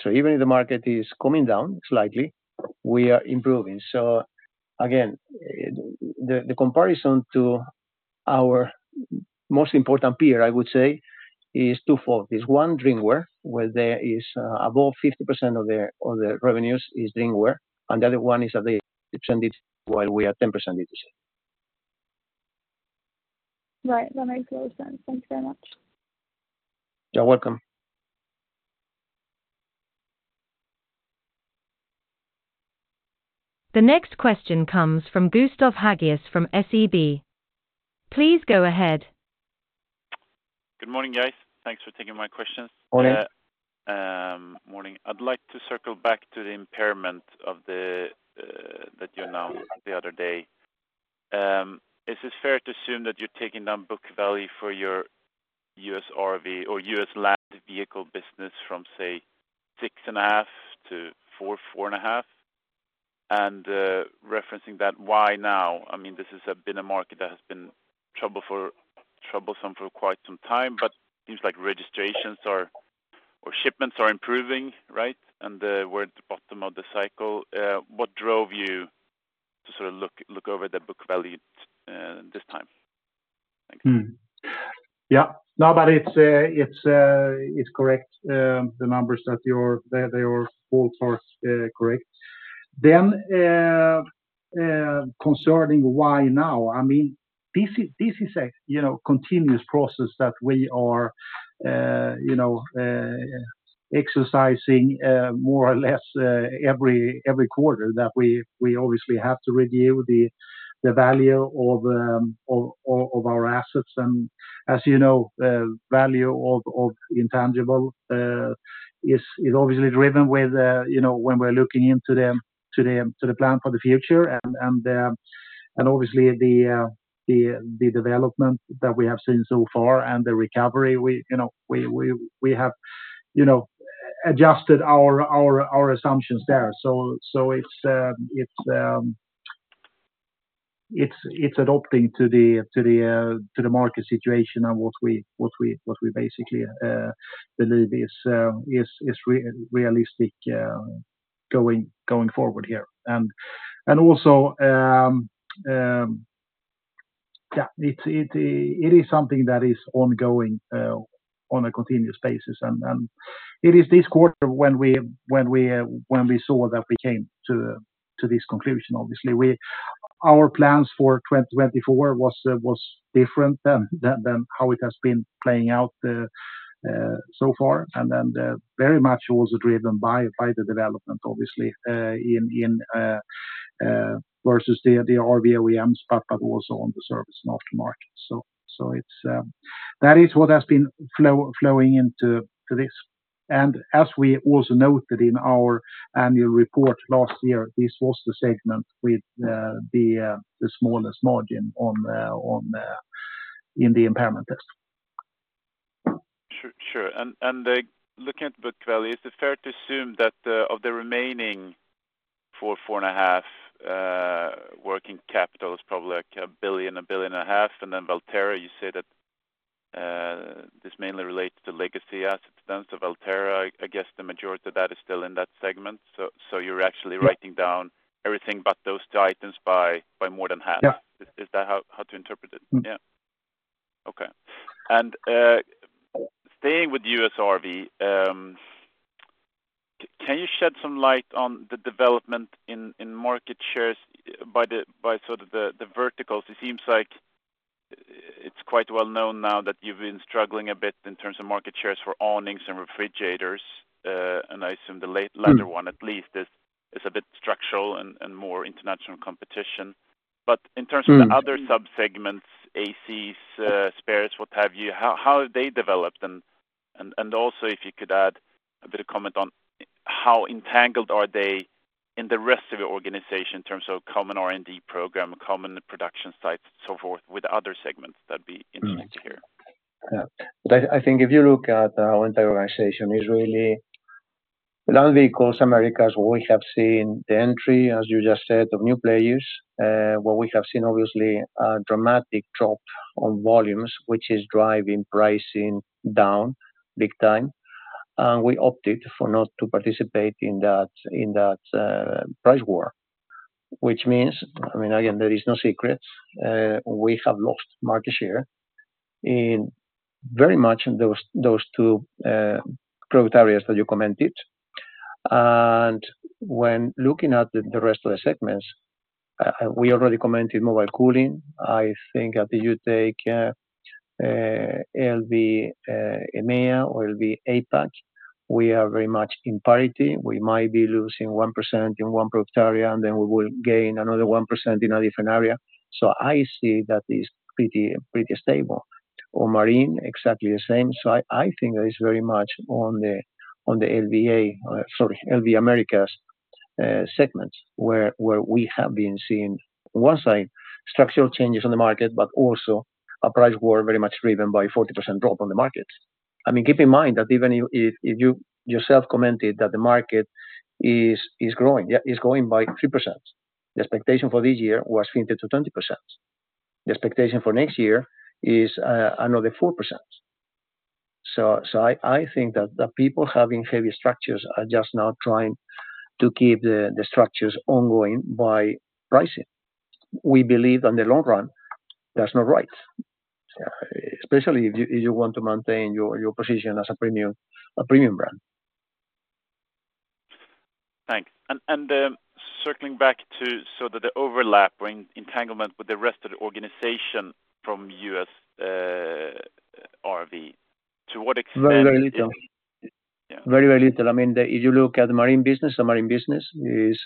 So even if the market is coming down slightly, we are improving. So again, the comparison to our most important peer, I would say, is twofold. It's one, drinkware, where there is above 50% of the revenues is drinkware, and the other one is that they are 90% D2C while we are 10% D2C. Right. That makes a lot of sense. Thank you very much. You're welcome. The next question comes from Gustav Hageus from SEB. Please go ahead. Good morning, guys. Thanks for taking my questions. Morning. Morning. I'd like to circle back to the impairment that you announced the other day. Is it fair to assume that you're taking down book value for your US RV or US land vehicle business from, say, six and a half to four, four and a half? And referencing that, why now? I mean, this has been a market that has been troublesome for quite some time, but seems like registrations are or shipments are improving, right? And we're at the bottom of the cycle. What drove you to sort of look over the book value this time? Thank you. Mm. Yeah. No, but it's correct. The numbers that you're, they are all correct. Then, concerning why now? I mean, this is a continuous process that we are, you know, exercising more or less every quarter that we obviously have to review the value of our assets. And as you know, the value of intangible is obviously driven with, you know, when we're looking into the plan for the future. And obviously, the development that we have seen so far and the recovery, we, you know, we have, you know, adjusted our assumptions there. So it's adapting to the market situation and what we basically believe is realistic going forward here. And also, it is something that is ongoing on a continuous basis. And it is this quarter when we saw that we came to this conclusion, obviously. Our plans for 2024 was different than how it has been playing out so far. And then very much also driven by the development obviously in versus the RV OEMs, but also on the service and aftermarket. So it's that is what has been flowing into this. As we also noted in our annual report last year, this was the segment with the smallest margin in the impairment test. Sure, sure. And looking at book value, is it fair to assume that of the remaining 4.4 and a half, working capital is probably like 1 billion-1.5 billion, and then Valterra, you said that this mainly relates to legacy assets then. So Valterra, I guess the majority of that is still in that segment. So you're actually- Yeah writing down everything but those two items by more than half? Yeah. Is that how to interpret it? Mm. Yeah. Okay. And staying with US RV, can you shed some light on the development in market shares by sort of the verticals? It seems like it's quite well known now that you've been struggling a bit in terms of market shares for awnings and refrigerators, and I assume the latter one at least is a bit structural and more international competition. Mm. But in terms of the other subsegments, ACs, spares, what have you, how have they developed? And also, if you could add a bit of comment on how entangled are they in the rest of your organization in terms of common R&D program, common production sites, so forth, with other segments that'd be interesting to hear. But I think if you look at our entire organization, Land Vehicles Americas, we have seen the entry, as you just said, of new players. What we have seen, obviously, a dramatic drop in volumes, which is driving pricing down big time. And we opted not to participate in that price war. Which means, I mean, again, there is no secret, we have lost market share very much in those two product areas that you commented. And when looking at the rest of the segments, we already commented mobile cooling. I think that if you take LV EMEA or LV APAC, we are very much in parity. We might be losing 1% in one product area, and then we will gain another 1% in a different area. I see that is pretty, pretty stable. On marine, exactly the same. I think that is very much on the Land Vehicles Americas segments, where we have been seeing on one side structural changes on the market, but also a price war very much driven by 40% drop on the market. I mean, keep in mind that even if you yourself commented that the market is growing by 3%. The expectation for this year was 15%-20%. The expectation for next year is another 4%. I think that the people having heavy structures are just now trying to keep the structures ongoing by pricing. We believe in the long run, that's not right, especially if you want to maintain your position as a premium brand. Thanks. And circling back to so that the overlap or entanglement with the rest of the organization from US, RV, to what extent? Very, very little. Yeah. Very, very little. I mean, if you look at the marine business, the marine business is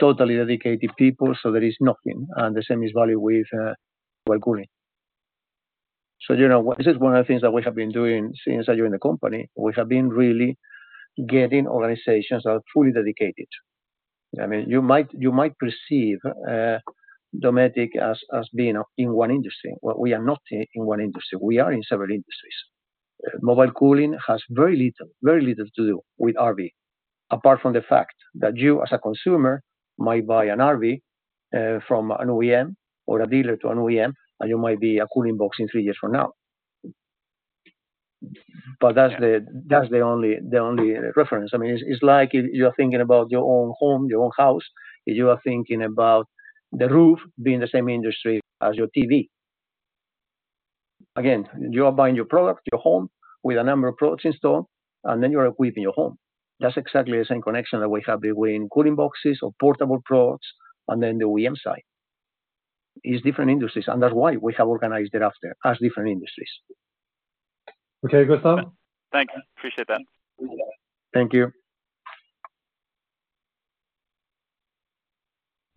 totally dedicated people, so there is nothing, and the same is valid with mobile cooling. So, you know, this is one of the things that we have been doing since I joined the company. We have been really getting organizations that are fully dedicated. I mean, you might perceive Dometic as being in one industry, but we are not in one industry, we are in several industries. Mobile cooling has very little, very little to do with RV, apart from the fact that you, as a consumer, might buy an RV from an OEM or a dealer to an OEM, and you might buy a cooling box in three years from now. But that's the only reference. I mean, it's like you're thinking about your own home, your own house, you are thinking about the roof being the same industry as your TV. Again, you are buying your product, your home, with a number of products installed, and then you are equipping your home. That's exactly the same connection that we have between cooling boxes or portable products and then the OEM side. It's different industries, and that's why we have organized it after, as different industries. Okay, Gustav? Thank you. Appreciate that. Thank you.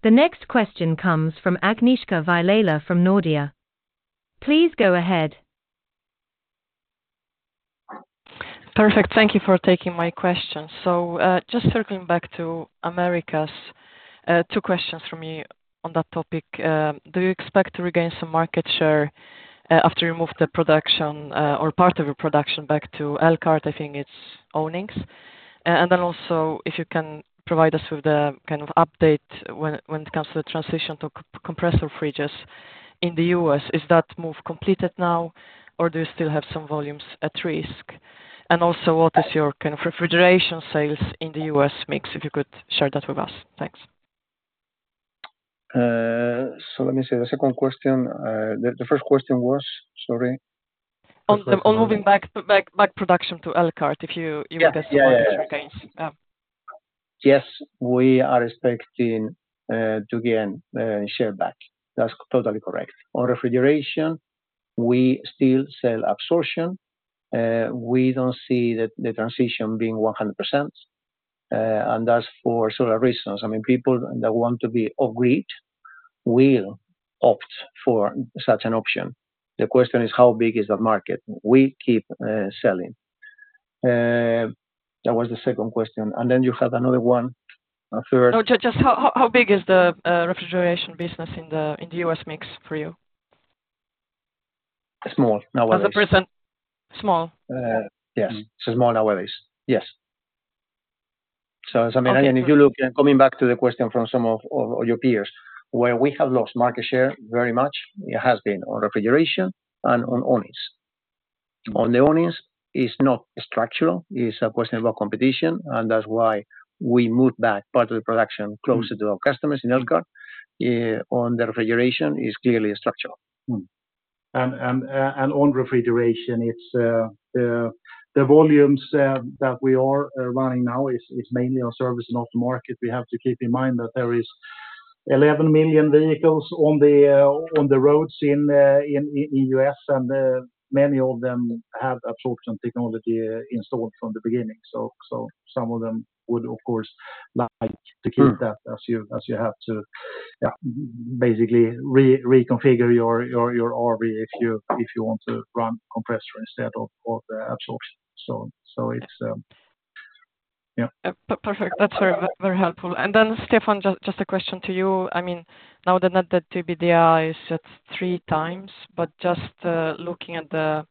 The next question comes from Agnieszka Vilela from Nordea. Please go ahead. Perfect. Thank you for taking my question. So, just circling back to Americas, two questions from me on that topic. Do you expect to regain some market share, after you move the production, or part of your production back to Elkhart? I think it's awnings. And then also, if you can provide us with the kind of update when it comes to the transition to compressor fridges in the U.S. Is that move completed now, or do you still have some volumes at risk? And also, what is your kind of refrigeration sales in the U.S. mix, if you could share that with us? Thanks. So let me see. The second question. The first question was? Sorry. On moving back production to Elkhart, if you give us some- Yeah. Yeah, yeah. -updates. Yeah. Yes, we are expecting to gain share back. That's totally correct. On refrigeration, we still sell absorption. We don't see the transition being 100%, and that's for several reasons. I mean, people that want to be off grid will opt for such an option. The question is: How big is that market? We keep selling. That was the second question, and then you had another one, a third. No, just how big is the refrigeration business in the U.S. mix for you? Small, nowadays. As a %? Small. Yes. It's small nowadays. Yes. I mean, if you look, coming back to the question from some of your peers, where we have lost market share very much, it has been on refrigeration and on awnings. On the awnings, it's not structural. It's a question about competition, and that's why we moved back part of the production closer to our customers in Elkhart. On the refrigeration, it's clearly structural. And on refrigeration, it's the volumes that we are running now is mainly on aftermarket. We have to keep in mind that there is eleven million vehicles on the roads in the U.S., and many of them have absorption technology installed from the beginning. So some of them would, of course, like to keep that as you- Hmm... as you have to, yeah, basically reconfigure your RV if you want to run compressor instead of the absorption. So it's,... Perfect. That's very, very helpful. And then, Stefan, just a question to you. I mean, now that the net debt/EBITDA is at three times, but just looking at the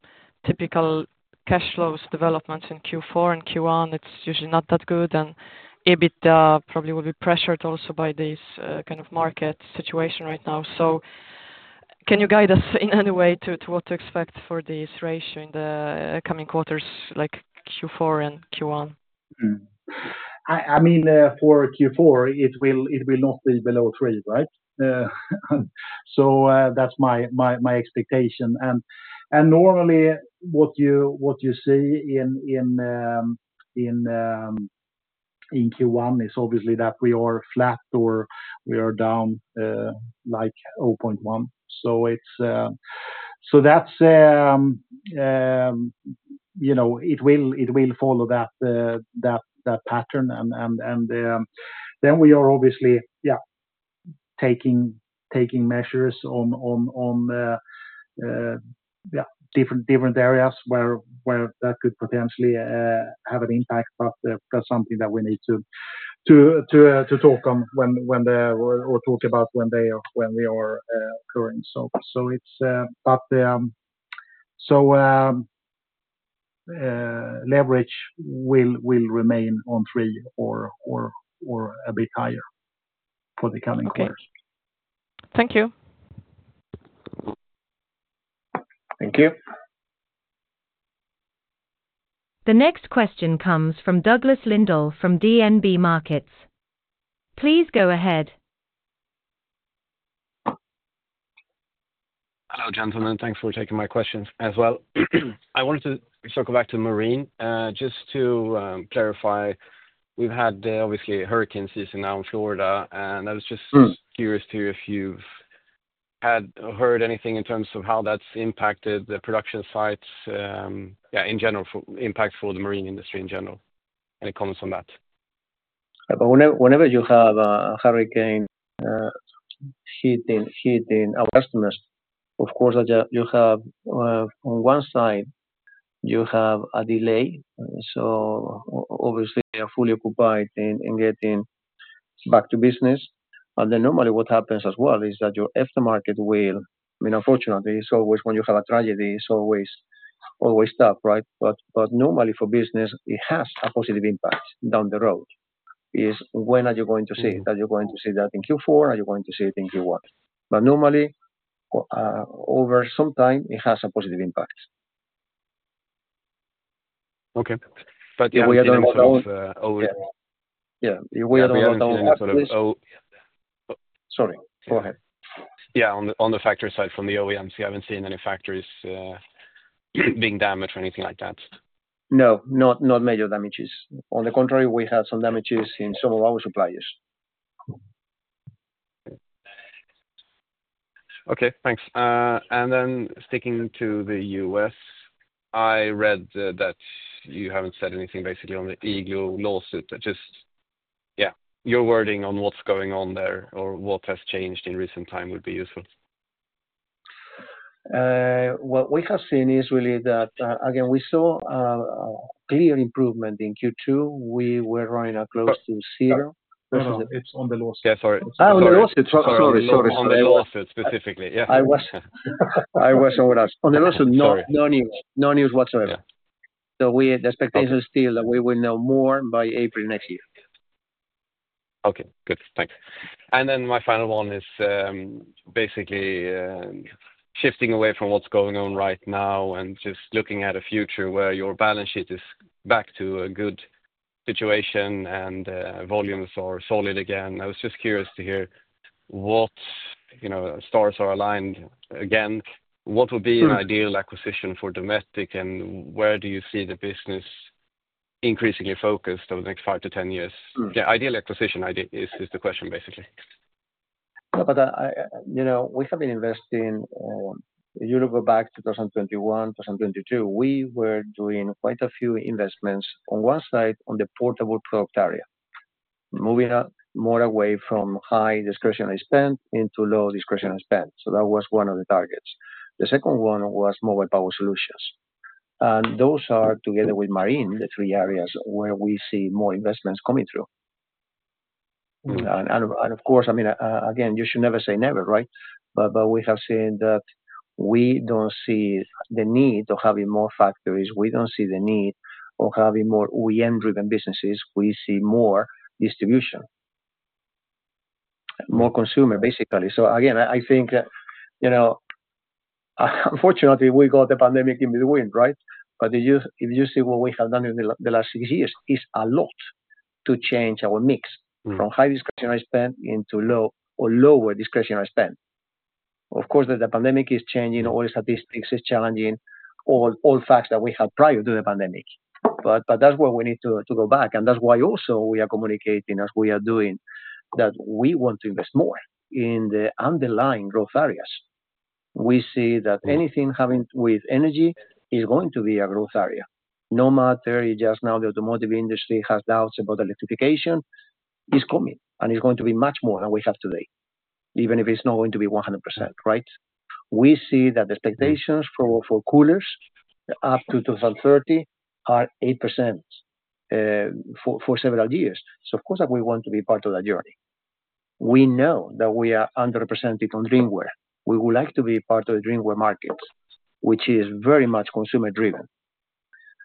typical cash flows developments in Q4 and Q1, it's usually not that good, and EBITDA probably will be pressured also by this kind of market situation right now. So can you guide us in any way to what to expect for this ratio in the coming quarters, like Q4 and Q1? I mean, for Q4, it will not be below three, right? So that's my expectation. Normally, what you see in Q1 is obviously that we are flat or we are down, like 0.1. So it's... So that's, you know, it will follow that pattern. Then we are obviously taking measures on different areas where that could potentially have an impact, but that's something that we need to talk about when they are occurring. So it's... Leverage will remain on three or a bit higher for the coming quarters. Okay. Thank you. Thank you. The next question comes from Douglas Lindahl from DNB Markets. Please go ahead. Hello, gentlemen. Thanks for taking my questions as well. I wanted to circle back to marine. Just to clarify, we've had obviously hurricane season now in Florida, and I was just- Hmm Curious to hear if you've had or heard anything in terms of how that's impacted the production sites, yeah, in general impact for the marine industry in general, any comments on that? But whenever you have a hurricane hitting our customers, of course, you have on one side a delay. So obviously, you're fully occupied in getting back to business. But then normally, what happens as well is that your aftermarket will. I mean, unfortunately, it's always when you have a tragedy, it's always tough, right? But normally for business, it has a positive impact down the road. When are you going to see it? Are you going to see that in Q4? Are you going to see it in Q1? But normally over some time, it has a positive impact. Okay. But, yeah- Yeah, we are down. Uh, oh- Yeah, we are down. Oh- Sorry, go ahead. Yeah, on the factory side, from the OEMs, you haven't seen any factories being damaged or anything like that? No, not, not major damages. On the contrary, we have some damages in some of our suppliers. Okay, thanks. And then sticking to the U.S., I read that you haven't said anything basically on the Eagle lawsuit. But just, yeah, your wording on what's going on there or what has changed in recent time would be useful. What we have seen is really that, again, we saw a clear improvement in Q2. We were running a close to zero. It's on the lawsuit. Yeah, sorry. Ah, on the lawsuit. Sorry, sorry. On the lawsuit, specifically. Yeah. I was over us. On the lawsuit. Sorry... no, no news, no news whatsoever. Yeah. So the expectation- Okay... still that we will know more by April next year. Okay, good. Thanks. And then my final one is, basically, shifting away from what's going on right now and just looking at a future where your balance sheet is back to a good situation and, volumes are solid again. I was just curious to hear what, you know, stars are aligned again? What would be- Hmm... an ideal acquisition for Dometic, and where do you see the business increasingly focused over the next five to ten years? Hmm. The ideal acquisition idea is the question, basically. But you know, we have been investing. You go back to 2021, 2022, we were doing quite a few investments on one side, on the portable product area, moving more away from high discretionary spend into low discretionary spend. So that was one of the targets. The second one was mobile power solutions. And those are, together with marine, the three areas where we see more investments coming through. Hmm. Of course, I mean, again, you should never say never, right? But we have seen that we don't see the need of having more factories. We don't see the need of having more OEM-driven businesses. We see more distribution. More consumer, basically. So again, I think, you know, unfortunately, we got the pandemic in between, right? But if you see what we have done in the last six years, it's a lot to change our mix- Mm... from high discretionary spend into low or lower discretionary spend. Of course, the pandemic is changing all the statistics. It is challenging all facts that we had prior to the pandemic. But that's where we need to go back, and that's why also we are communicating, as we are doing, that we want to invest more in the underlying growth areas. We see that anything having with energy is going to be a growth area. No matter just now, the automotive industry has doubts about electrification. It is coming, and it's going to be much more than we have today, even if it's not going to be one hundred percent, right? We see that the expectations for coolers up to 2030 are 8% for several years. So of course, we want to be part of that journey. We know that we are underrepresented on drinkware. We would like to be part of the drinkware market, which is very much consumer-driven.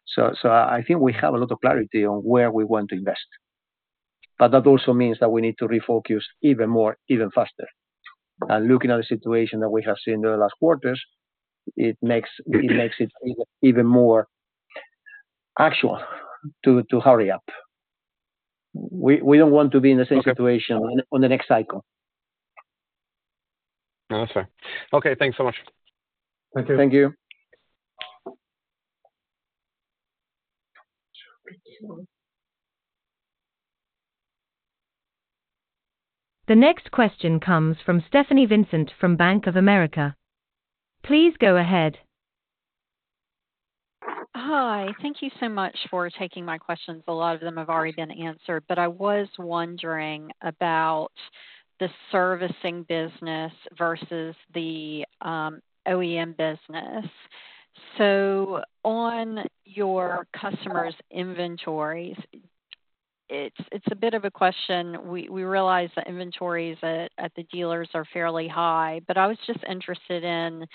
So I think we have a lot of clarity on where we want to invest, but that also means that we need to refocus even more, even faster. And looking at the situation that we have seen in the last quarters, it makes it even more actual to hurry up. We don't want to be in the same situation- Okay. on the next cycle. That's fair. Okay, thanks so much. Thank you. The next question comes from Stephanie Vincent from Bank of America. Please go ahead. Hi, thank you so much for taking my questions. A lot of them have already been answered, but I was wondering about the servicing business versus the OEM business. So on your customers' inventories, it's a bit of a question. We realize that inventories at the dealers are fairly high, but I was just interested in,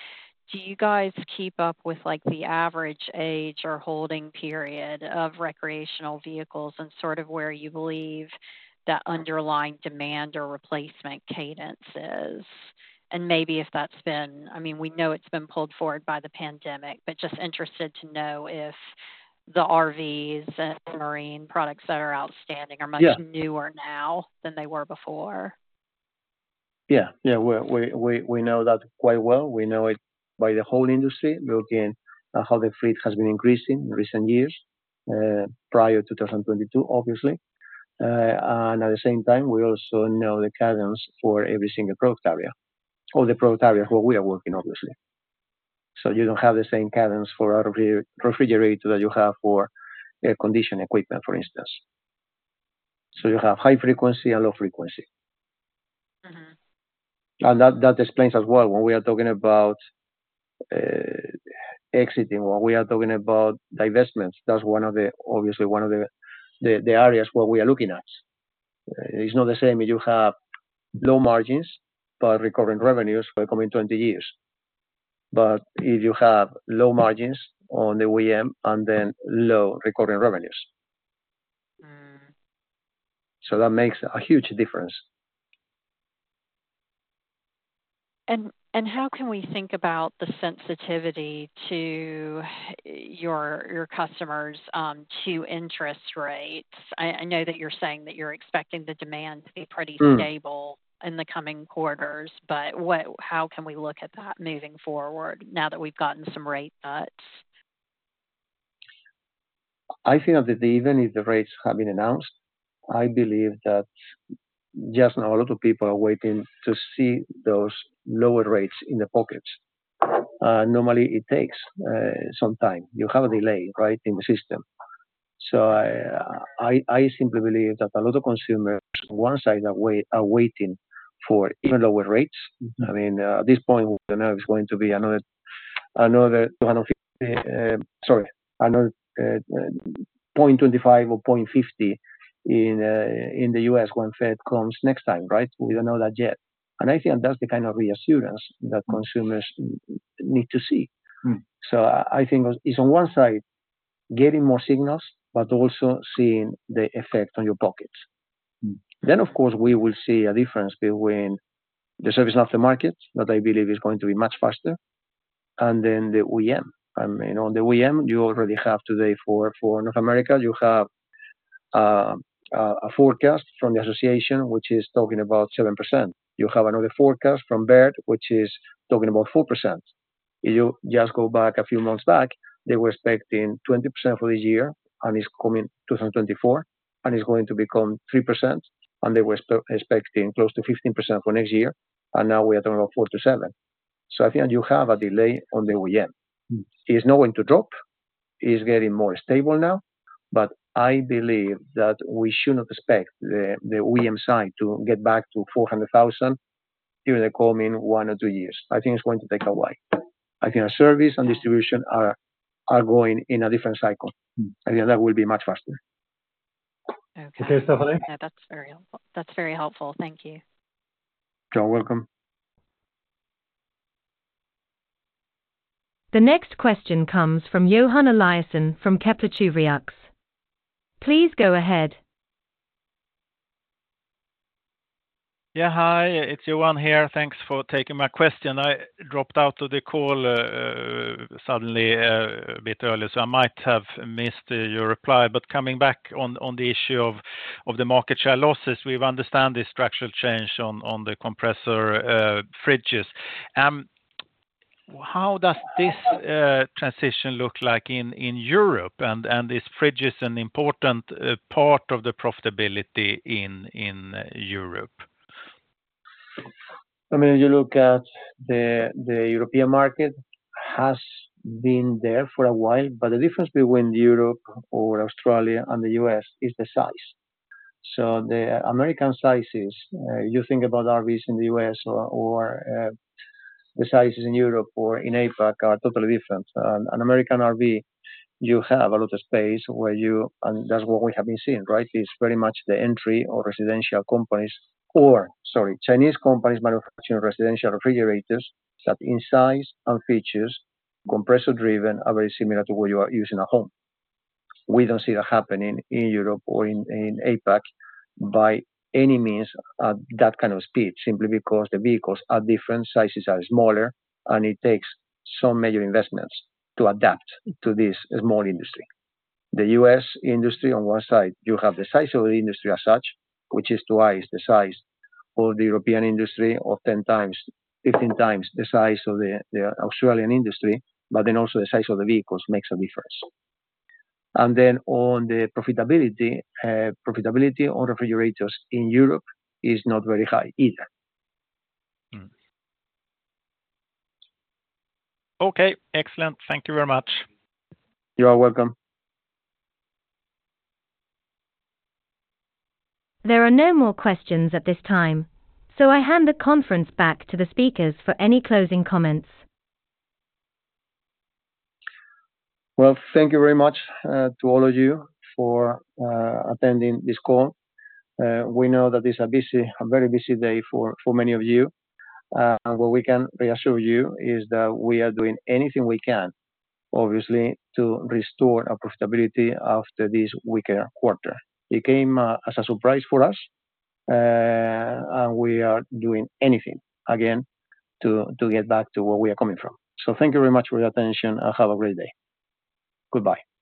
do you guys keep up with, like, the average age or holding period of recreational vehicles and sort of where you believe that underlying demand or replacement cadence is? And maybe if that's been-- I mean, we know it's been pulled forward by the pandemic, but just interested to know if the RVs and marine products that are outstanding- Yeah are much newer now than they were before. Yeah, yeah, we know that quite well. We know it by the whole industry, looking at how the fleet has been increasing in recent years, prior to two thousand and twenty-two, obviously. And at the same time, we also know the cadence for every single product area, or the product area where we are working, obviously. So you don't have the same cadence for a refrigerator that you have for air conditioning equipment, for instance. So you have high frequency and low frequency. Mm-hmm. And that explains as well, when we are talking about exiting, when we are talking about divestments, that's one of the obvious areas where we are looking at. It's not the same if you have low margins, but recurring revenues for the coming 20 years. But if you have low margins on the OEM and then low recurring revenues. Mm. So that makes a huge difference. How can we think about the sensitivity to your customers to interest rates? I know that you're saying that you're expecting the demand to be pretty- Mm... stable in the coming quarters, but how can we look at that moving forward now that we've gotten some rate cuts? I think that even if the rates have been announced, I believe that just now, a lot of people are waiting to see those lower rates in their pockets. Normally it takes some time. You have a delay, right, in the system. So I simply believe that a lot of consumers, one side are waiting for even lower rates. I mean, at this point, we don't know it's going to be another point twenty-five or point fifty in the U.S., when Fed comes next time, right? We don't know that yet. I think that's the kind of reassurance that consumers need to see. Mm. So I think it's on one side, getting more signals, but also seeing the effect on your pockets. Mm. Then, of course, we will see a difference between the aftermarket, that I believe is going to be much faster, and then the OEM. I mean, on the OEM, you already have today for North America, you have a forecast from the association, which is talking about 7%. You have another forecast from Baird, which is talking about 4%. If you just go back a few months, they were expecting 20% for this year, and for 2024 it's going to become 3%, and they were expecting close to 15% for next year, and now we're talking about 4%-7%. So I think you have a delay on the OEM. Mm. It's not going to drop, it's getting more stable now, but I believe that we should not expect the OEM side to get back to 400,000 during the coming one or two years. I think it's going to take a while. I think our service and distribution are going in a different cycle. Mm. I think that will be much faster. Okay. Did you hear Stephanie? Yeah, that's very helpful. That's very helpful. Thank you. You're welcome. The next question comes from Johan Eliason from Kepler Cheuvreux. Please go ahead. Yeah, hi, it's Johan here. Thanks for taking my question. I dropped out of the call suddenly a bit early, so I might have missed your reply. But coming back on the issue of the market share losses, we understand the structural change on the compressor fridges. How does this transition look like in Europe? And is fridges an important part of the profitability in Europe? I mean, you look at the European market has been there for a while, but the difference between Europe or Australia and the US is the size. So the American sizes, you think about RVs in the US or the sizes in Europe or in APAC are totally different. And an American RV, you have a lot of space where you and that's what we have been seeing, right? It's very much the entry or residential companies or, sorry, Chinese companies manufacturing residential refrigerators, that in size and features, compressor-driven, are very similar to what you are using at home. We don't see that happening in Europe or in APAC by any means at that kind of speed, simply because the vehicles are different, sizes are smaller, and it takes some major investments to adapt to this small industry. The U.S. industry, on one side, you have the size of the industry as such, which is twice the size of the European industry, or ten times, fifteen times the size of the Australian industry, but then also the size of the vehicles makes a difference. And then on the profitability, profitability on refrigerators in Europe is not very high either. Okay, excellent. Thank you very much. You are welcome. There are no more questions at this time, so I hand the conference back to the speakers for any closing comments. Well, thank you very much to all of you for attending this call. We know that it's a busy, a very busy day for many of you. What we can reassure you is that we are doing anything we can, obviously, to restore our profitability after this weaker quarter. It came as a surprise for us, and we are doing anything, again, to get back to where we are coming from. So thank you very much for your attention and have a great day. Goodbye.